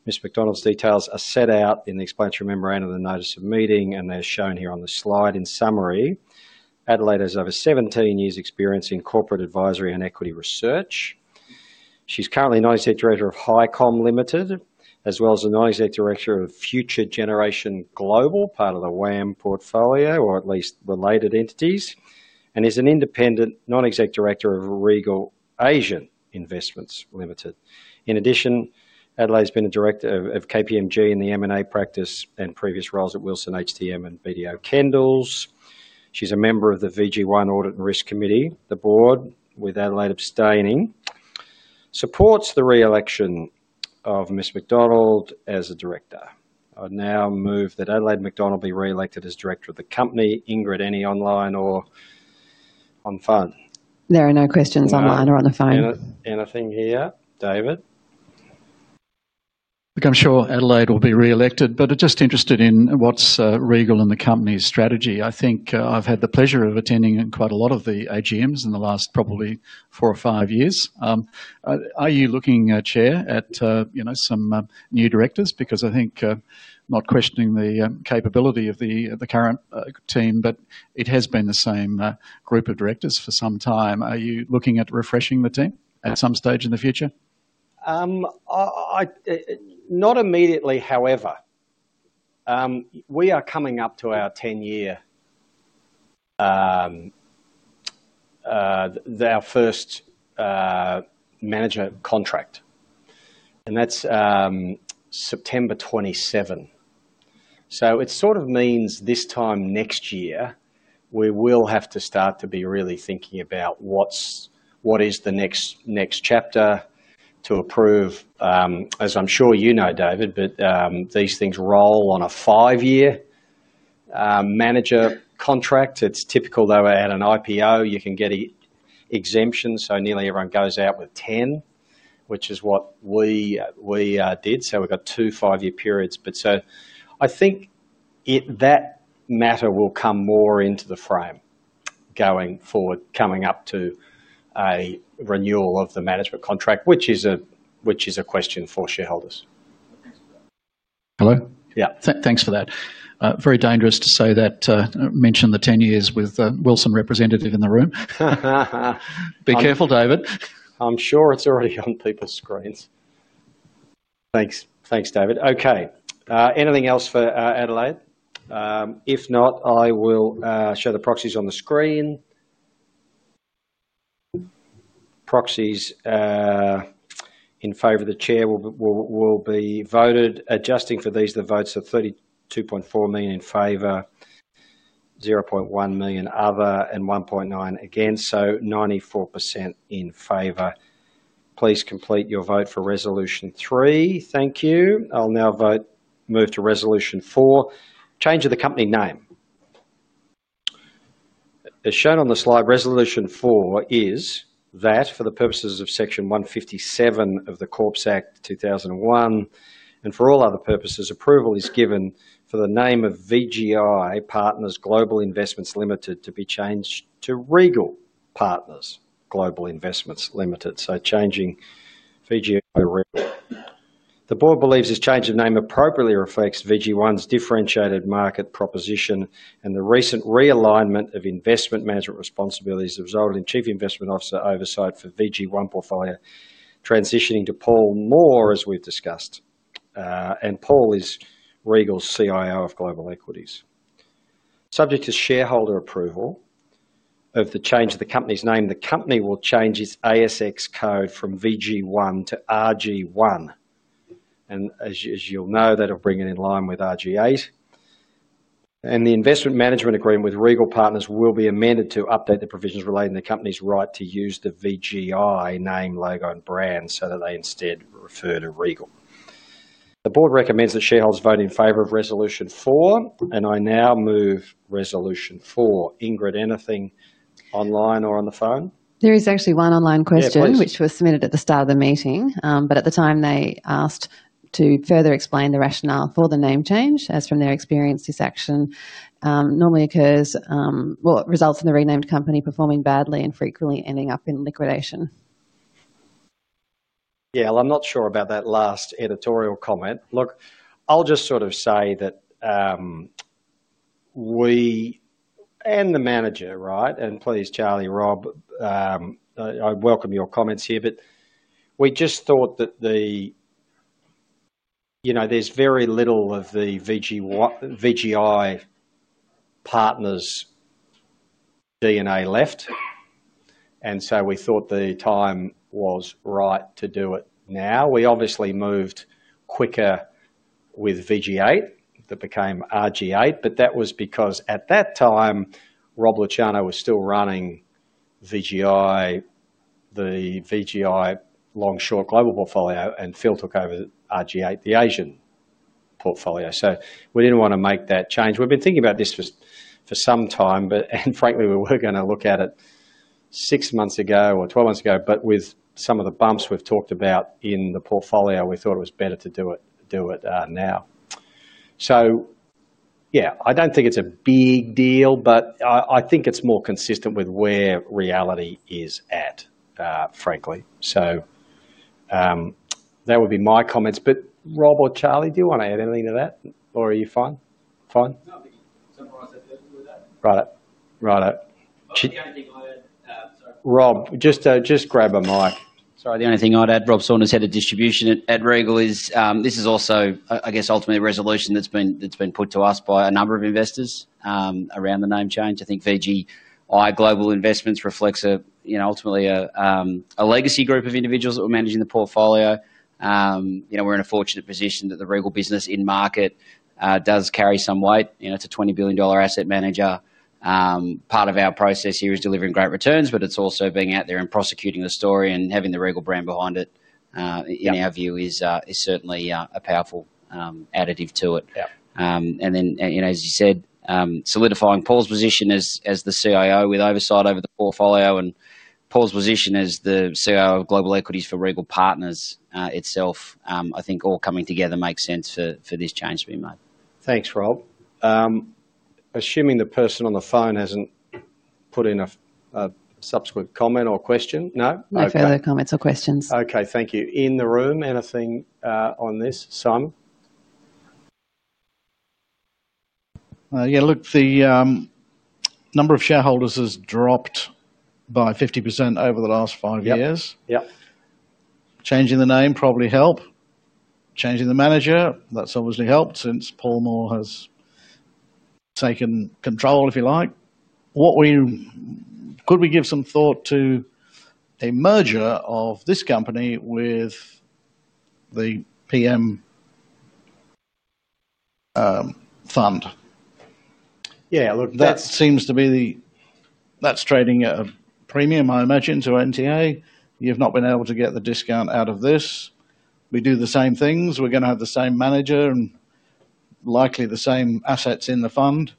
Ms. McDonald's details are set out in the explanatory memorandum of the notice of meeting, and they're shown here on the slide. In summary, Adelaide has over 17 years' experience in corporate advisory and equity research. She's currently non-executive director of Highcom Limited, as well as a non-executive director of Future Generation Global, part of the WAM portfolio, or at least related entities, and is an independent non-executive director of Regal Asian Investments Limited. In addition, Adelaide's been a director of KPMG in the M&A practice and previous roles at Wilson, HTM, and BDO Kendalls. She's a member of the VGI Audit and Risk Committee, the board, with Adelaide abstaining. Supports the reelection of Ms. McDonald as a director. I now move that Adelaide McDonald be reelected as director of the company. Ingrid, any online or on phone? There are no questions online or on the phone. Anything here, David? Look, I'm sure Adelaide will be reelected, but I'm just interested in what's Regal and the company's strategy. I think I've had the pleasure of attending quite a lot of the AGMs in the last probably four or five years. Are you looking, chair, at some new directors? Because I think, not questioning the capability of the current team, but it has been the same group of directors for some time. Are you looking at refreshing the team at some stage in the future? Not immediately, however. We are coming up to our 10-year, our first manager contract. And that's September 27. It sort of means this time next year, we will have to start to be really thinking about what is the next chapter to approve. As I'm sure you know, David, but these things roll on a five-year manager contract. It's typical though at an IPO, you can get exemptions, so nearly everyone goes out with 10, which is what we did. We have two five-year periods. I think that matter will come more into the frame going forward, coming up to a renewal of the management contract, which is a question for shareholders. Hello? Yeah. Thanks for that. Very dangerous to say that, mention the 10 years with Wilson representative in the room. Be careful, David. I'm sure it's already on people's screens. Thanks. Thanks, David. Okay. Anything else for Adelaide? If not, I will show the proxies on the screen. Proxies in favor of the chair will be voted. Adjusting for these, the votes are 32.4 million in favor, 0.1 million other, and 1.9 million against. So 94% in favor. Please complete your vote for resolution three. Thank you. I'll now move to resolution four, change of the company name. As shown on the slide, resolution four is that for the purposes of section 157 of the Corps Act 2001, and for all other purposes, approval is given for the name of VGI Partners Global Investments Limited to be changed to Regal Partners Global Investments Limited. So changing VGI to Regal. The board believes this change of name appropriately reflects VGI's differentiated market proposition and the recent realignment of investment management responsibilities resulting in Chief Investment Officer oversight for VGI portfolio transitioning to Paul Moore, as we've discussed. Paul is Regal's CIO of global equities. Subject to shareholder approval of the change of the company's name, the company will change its ASX code from VGI to RGI. As you'll know, that'll bring it in line with RGI. The investment management agreement with Regal Partners will be amended to update the provisions relating to the company's right to use the VGI name, logo, and brand so that they instead refer to Regal. The board recommends that shareholders vote in favor of resolution four. I now move resolution four. Ingrid, anything online or on the phone? There is actually one online question which was submitted at the start of the meeting. At the time, they asked to further explain the rationale for the name change. As from their experience, this action normally occurs, it results in the renamed company performing badly and frequently ending up in liquidation. Yeah. I'm not sure about that last editorial comment. Look, I'll just sort of say that we and the manager, right? Please, Charlie, Rob, I welcome your comments here. We just thought that there's very little of the VGI Partners DNA left. We thought the time was right to do it now. We obviously moved quicker with VGI that became RGI. That was because at that time, Rob Luciano was still running the VGI long-short global portfolio, and Phil took over RGI, the Asian portfolio. We did not want to make that change. We have been thinking about this for some time, and frankly, we were going to look at it six months ago or 12 months ago. With some of the bumps we have talked about in the portfolio, we thought it was better to do it now. Yeah, I do not think it is a big deal, but I think it is more consistent with where reality is at, frankly. That would be my comments. Rob or Charlie, do you want to add anything to that, or are you fine? Fine? No, I think you summarized that very well. Right. The only thing I would add, sorry. Rob, just grab a mic. Sorry. The only thing I'd add, Rob Saunders, Head of Distribution at Regal, is this is also, I guess, ultimately a resolution that's been put to us by a number of investors around the name change. I think VGI Global Investments reflects ultimately a legacy group of individuals that were managing the portfolio. We're in a fortunate position that the Regal business in market does carry some weight. It's a 20 billion dollar asset manager. Part of our process here is delivering great returns, but it's also being out there and prosecuting the story and having the Regal brand behind it, in our view, is certainly a powerful additive to it. And then, as you said, solidifying Paul's position as the CIO with oversight over the portfolio and Paul's position as the CIO of global equities for Regal Partners itself, I think all coming together makes sense for this change to be made. Thanks, Rob. Assuming the person on the phone hasn't put in a subsequent comment or question. No? No further comments or questions. Okay. Thank you. In the room, anything on this? Some? Yeah. Look, the number of shareholders has dropped by 50% over the last five years. Changing the name probably helped. Changing the manager, that's obviously helped since Paul Moore has taken control, if you like. Could we give some thought to a merger of this company with the PM fund? Yeah. Look, that seems to be the—that's trading at a premium, I imagine, to NTA. You've not been able to get the discount out of this. We do the same things. We're going to have the same manager and likely the same assets in the fund.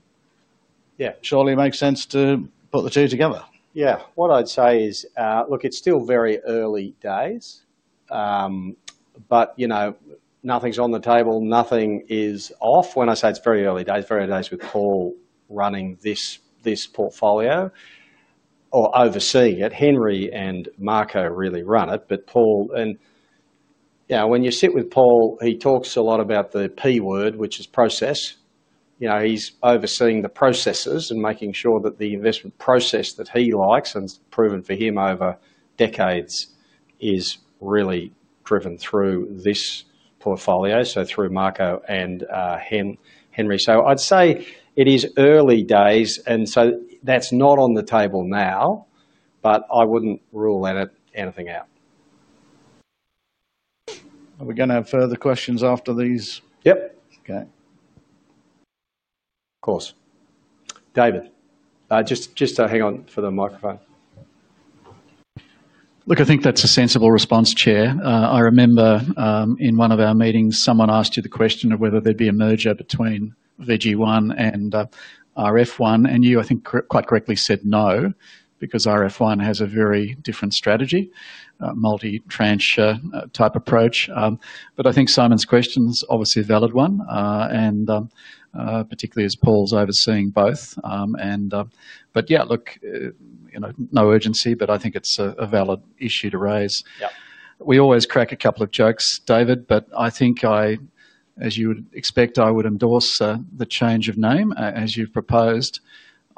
Surely it makes sense to put the two together. Yeah. What I'd say is, look, it's still very early days, but nothing's on the table. Nothing is off. When I say it's very early days, very early days with Paul running this portfolio or overseeing it. Henry and Marco really run it, but Paul, and when you sit with Paul, he talks a lot about the P word, which is process. He's overseeing the processes and making sure that the investment process that he likes and has proven for him over decades is really driven through this portfolio, so through Marco and Henry. I'd say it is early days, and that's not on the table now, but I wouldn't rule anything out. Are we going to have further questions after these? Yep. Okay. Of course. David, just hang on for the microphone. Look, I think that's a sensible response, Chair. I remember in one of our meetings, someone asked you the question of whether there'd be a merger between VGI and RF1, and you, I think, quite correctly said no because RF1 has a very different strategy, multi-tranche type approach. I think Simon's question is obviously a valid one, particularly as Paul's overseeing both. Yeah, look, no urgency, but I think it's a valid issue to raise. We always crack a couple of jokes, David, but I think, as you would expect, I would endorse the change of name as you've proposed.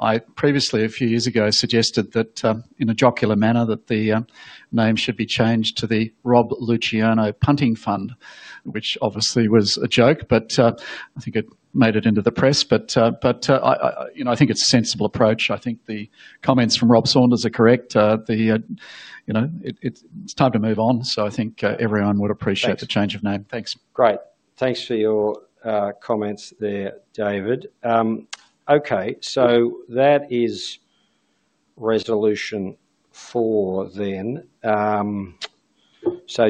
I previously, a few years ago, suggested that in a jocular manner, that the name should be changed to the Rob Luciano Punting Fund, which obviously was a joke, but I think it made it into the press. I think it's a sensible approach. I think the comments from Rob Saunders are correct. It's time to move on. I think everyone would appreciate the change of name. Thanks. Great. Thanks for your comments there, David. Okay. That is resolution four then.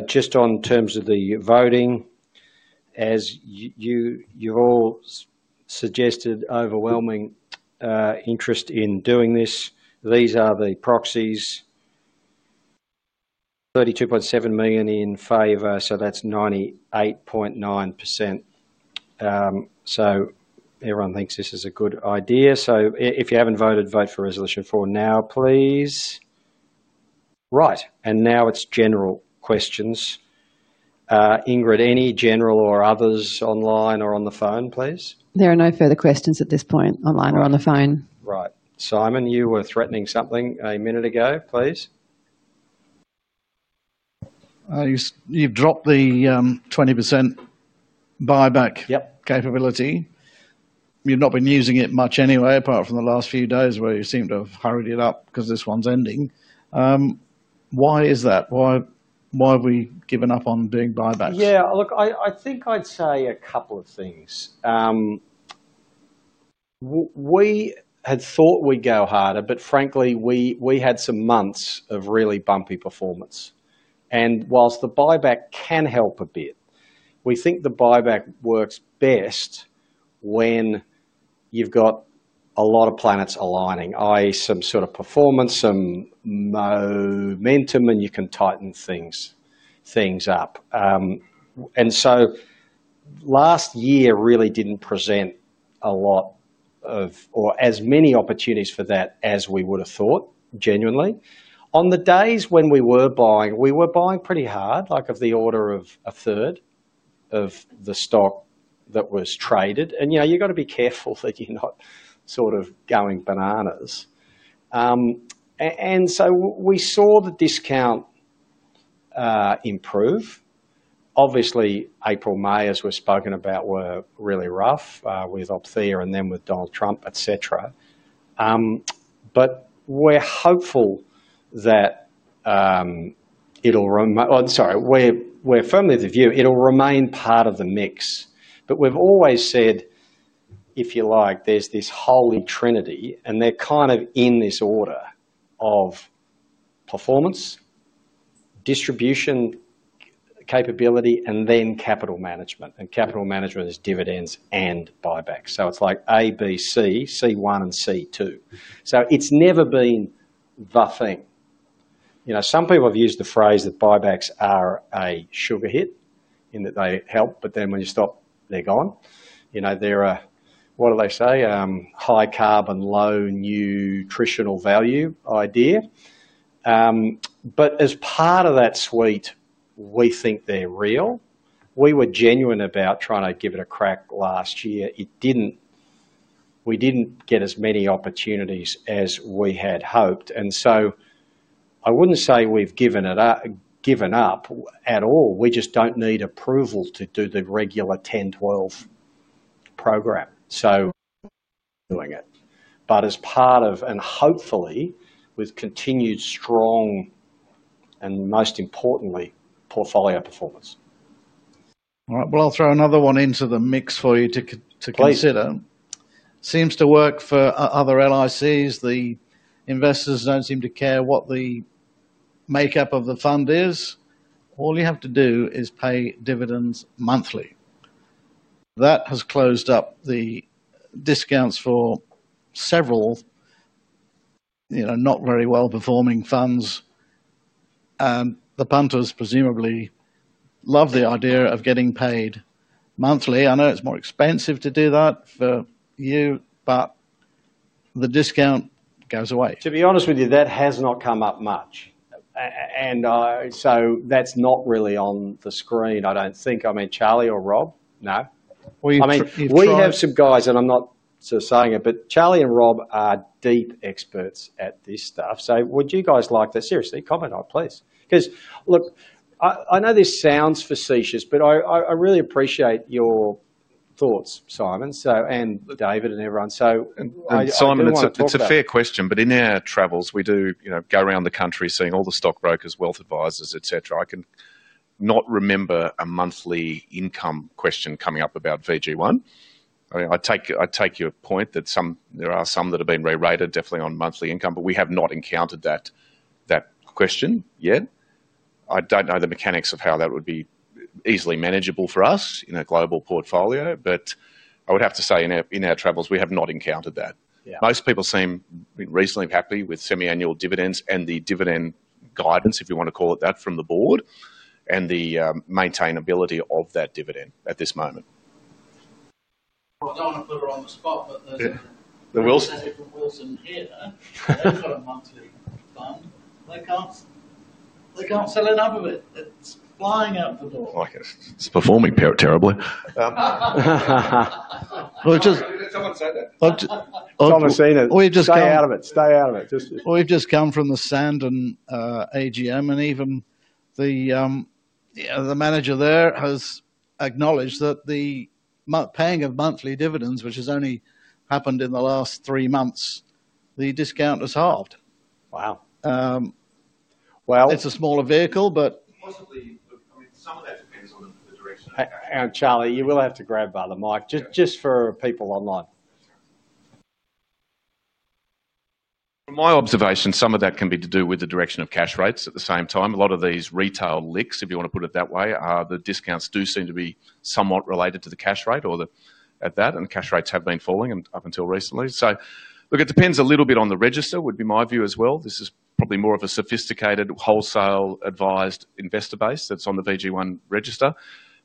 Just on terms of the voting, as you've all suggested, overwhelming interest in doing this. These are the proxies: 32.7 million in favor. That's 98.9%. Everyone thinks this is a good idea. If you haven't voted, vote for resolution four now, please. Right. Now it's general questions. Ingrid, any general or others online or on the phone, please? There are no further questions at this point online or on the phone. Right. Simon, you were threatening something a minute ago, please. You've dropped the 20% buyback capability. You've not been using it much anyway, apart from the last few days where you seem to have hurried it up because this one's ending. Why is that? Why have we given up on doing buyback? Yeah. Look, I think I'd say a couple of things. We had thought we'd go harder, but frankly, we had some months of really bumpy performance. And whilst the buyback can help a bit, we think the buyback works best when you've got a lot of planets aligning, some sort of performance, some momentum, and you can tighten things up. Last year really did not present a lot of or as many opportunities for that as we would have thought, genuinely. On the days when we were buying, we were buying pretty hard, like of the order of a third of the stock that was traded. You have to be careful that you are not sort of going bananas. We saw the discount improve. Obviously, April, May, as we have spoken about, were really rough with Opthea and then with Donald Trump, etc. We are hopeful that it will—I am sorry. We are firmly of the view it will remain part of the mix. We have always said, if you like, there is this holy trinity, and they are kind of in this order of performance, distribution capability, and then capital management. Capital management is dividends and buyback. It is like A, B, C, C1, and C2. It has never been the thing. Some people have used the phrase that buybacks are a sugar hit in that they help, but then when you stop, they're gone. They're a—what do they say? High carb and low nutritional value idea. As part of that suite, we think they're real. We were genuine about trying to give it a crack last year. We didn't get as many opportunities as we had hoped. I wouldn't say we've given up at all. We just don't need approval to do the regular 1012 program. We're doing it. As part of—and hopefully with continued strong and most importantly, portfolio performance. All right. I'll throw another one into the mix for you to consider. Seems to work for other LICs. The investors don't seem to care what the makeup of the fund is. All you have to do is pay dividends monthly. That has closed up the discounts for several not very well-performing funds. The punters presumably love the idea of getting paid monthly. I know it is more expensive to do that for you, but the discount goes away. To be honest with you, that has not come up much. That is not really on the screen, I do not think. I mean, Charlie or Rob? No. I mean, we have some guys, and I am not just saying it, but Charlie and Rob are deep experts at this stuff. Would you guys like to seriously comment on it, please? Because look, I know this sounds facetious, but I really appreciate your thoughts, Simon, and David, and everyone. Simon, it is a fair question. In our travels, we do go around the country seeing all the stockbrokers, wealth advisors, etc. I cannot remember a monthly income question coming up about VG1. I take your point that there are some that have been re-rated, definitely on monthly income, but we have not encountered that question yet. I do not know the mechanics of how that would be easily manageable for us in a global portfolio, but I would have to say in our travels, we have not encountered that. Most people seem reasonably happy with semi-annual dividends and the dividend guidance, if you want to call it that, from the board and the maintainability of that dividend at this moment. I do not want to put her on the spot, but there is a gentleman from Wilson here. They have got a monthly fund. They cannot sell enough of it. It is flying out the door. It is performing terribly. Did someone say that? I have never seen it. We have just come out of it. Stay out of it. We've just come from the Sandon AGM, and even the manager there has acknowledged that the paying of monthly dividends, which has only happened in the last three months, the discount has halved. Wow. It is a smaller vehicle, but possibly, I mean, some of that depends on the direction of—Charlie, you will have to grab the mic just for people online. From my observation, some of that can be to do with the direction of cash rates at the same time. A lot of these retail LICs, if you want to put it that way, the discounts do seem to be somewhat related to the cash rate or at that, and cash rates have been falling up until recently. Look, it depends a little bit on the register, would be my view as well. This is probably more of a sophisticated wholesale-advised investor base that's on the VG1 register.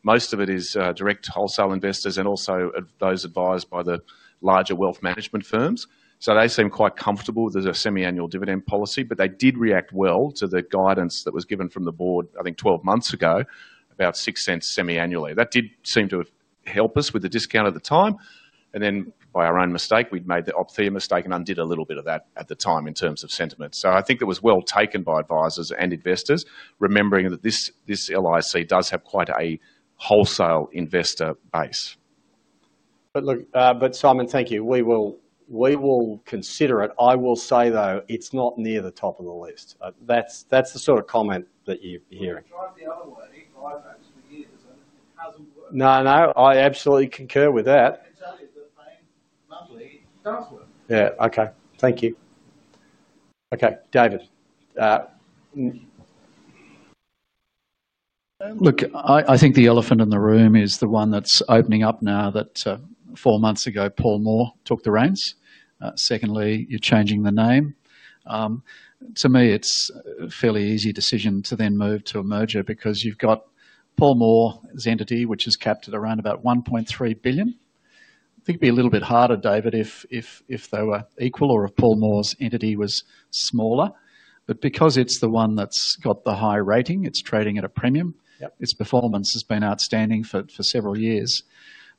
Most of it is direct wholesale investors and also those advised by the larger wealth management firms. They seem quite comfortable with the semi-annual dividend policy, but they did react well to the guidance that was given from the board, I think, 12 months ago, about 0.06 semi-annually. That did seem to help us with the discount at the time. By our own mistake, we'd made the Opthea mistake and undid a little bit of that at the time in terms of sentiment. I think it was well taken by advisors and investors, remembering that this LIC does have quite a wholesale investor base. Look, Simon, thank you. We will consider it. I will say, though, it's not near the top of the list. That's the sort of comment that you're hearing. I tried the other way, buybacks for years, and it hasn't worked. No, no. I absolutely concur with that. I can tell you that paying monthly does work. Yeah. Okay. Thank you. Okay. David. Look, I think the elephant in the room is the one that's opening up now that four months ago, Paul Moore took the reins. Secondly, you're changing the name. To me, it's a fairly easy decision to then move to a merger because you've got Paul Moore's entity, which has capped at around about 1.3 billion. I think it'd be a little bit harder, David, if they were equal or if Paul Moore's entity was smaller. But because it's the one that's got the high rating, it's trading at a premium. Its performance has been outstanding for several years.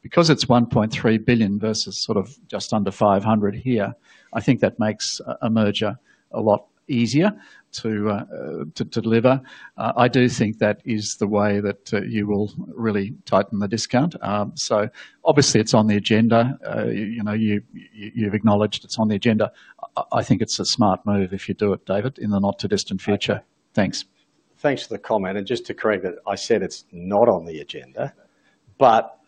Because it is 1.3 billion versus sort of just under 500 million here, I think that makes a merger a lot easier to deliver. I do think that is the way that you will really tighten the discount. Obviously, it is on the agenda. You have acknowledged it is on the agenda. I think it is a smart move if you do it, David, in the not-too-distant future. Thanks. Thanks for the comment. Just to correct it, I said it is not on the agenda, but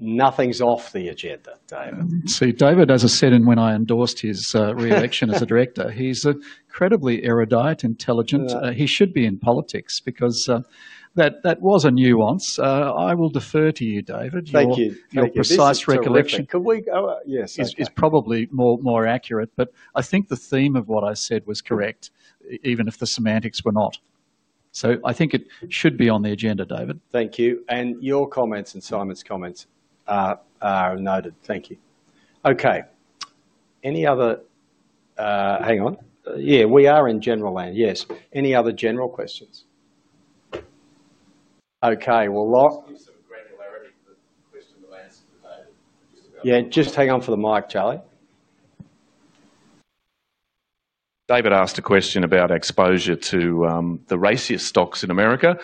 nothing is off the agenda, David. See, David, as I said, and when I endorsed his re-election as a director, he is incredibly erudite, intelligent. He should be in politics because that was a nuance. I will defer to you, David. Thank you. Your precise recollection is probably more accurate, but I think the theme of what I said was correct, even if the semantics were not. I think it should be on the agenda, David. Thank you. Your comments and Simon's comments are noted. Thank you. Okay. Any other—hang on. Yeah, we are in general land. Yes. Any other general questions? Okay. Lots of granularity to the question that I asked you today. Yeah. Just hang on for the mic, Charlie. David asked a question about exposure to the raciest stocks in America.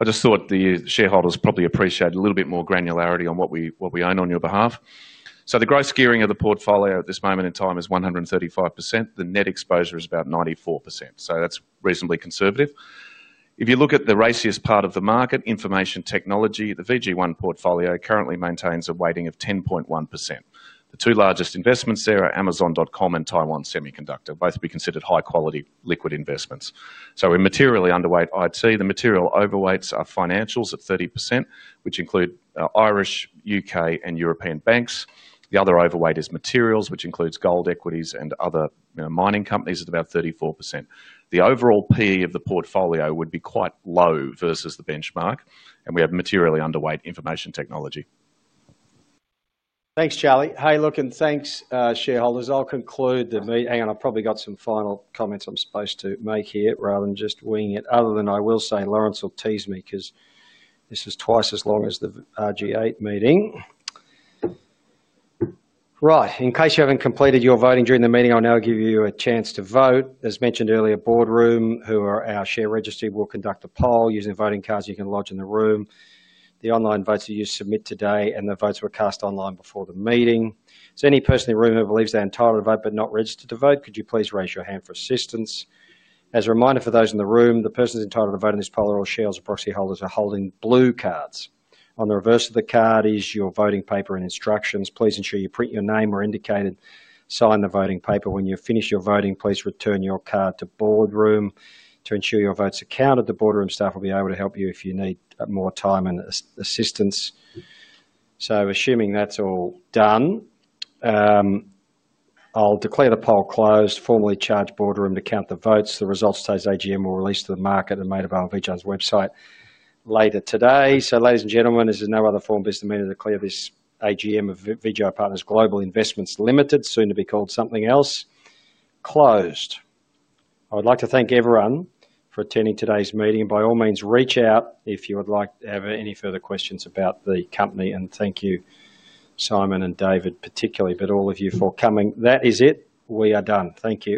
I just thought the shareholders probably appreciate a little bit more granularity on what we own on your behalf. The gross gearing of the portfolio at this moment in time is 135%. The net exposure is about 94%. That is reasonably conservative. If you look at the raciest part of the market, information technology, the VG1 portfolio currently maintains a weighting of 10.1%. The two largest investments there are Amazon.com and Taiwan Semiconductor, both to be considered high-quality liquid investments. So we're materially underweight IT. The material overweights are financials at 30%, which include Irish, U.K., and European banks. The other overweight is materials, which includes gold equities and other mining companies at about 34%. The overall PE of the portfolio would be quite low versus the benchmark, and we have materially underweight information technology. Thanks, Charlie. Hey, look, and thanks, shareholders. I'll conclude the meeting. And I've probably got some final comments I'm supposed to make here rather than just winging it. Other than I will say, Lawrence will tease me because this is twice as long as the RG8 meeting. Right. In case you haven't completed your voting during the meeting, I'll now give you a chance to vote. As mentioned earlier, Boardroom, who are our share registry, will conduct a poll using voting cards you can lodge in the room. The online votes that you submit today and the votes that were cast online before the meeting. Is there any person in the room who believes they're entitled to vote but not registered to vote? Could you please raise your hand for assistance? As a reminder for those in the room, the persons entitled to vote in this poll are all shareholders or proxy holders holding blue cards. On the reverse of the card is your voting paper and instructions. Please ensure you print your name where indicated. Sign the voting paper. When you finish your voting, please return your card to Boardroom to ensure your votes are counted. The Boardroom staff will be able to help you if you need more time and assistance. Assuming that's all done, I'll declare the poll closed, formally charge Boardroom to count the votes. The results of today's AGM will be released to the market and made available on VG1's website later today. Ladies and gentlemen, there is no other form of this meeting, so I declare this AGM of VGI Partners Global Investments Limited, soon to be called something else, closed. I would like to thank everyone for attending today's meeting. By all means, reach out if you would like to have any further questions about the company. Thank you, Simon and David, particularly, but all of you for coming. That is it. We are done. Thank you.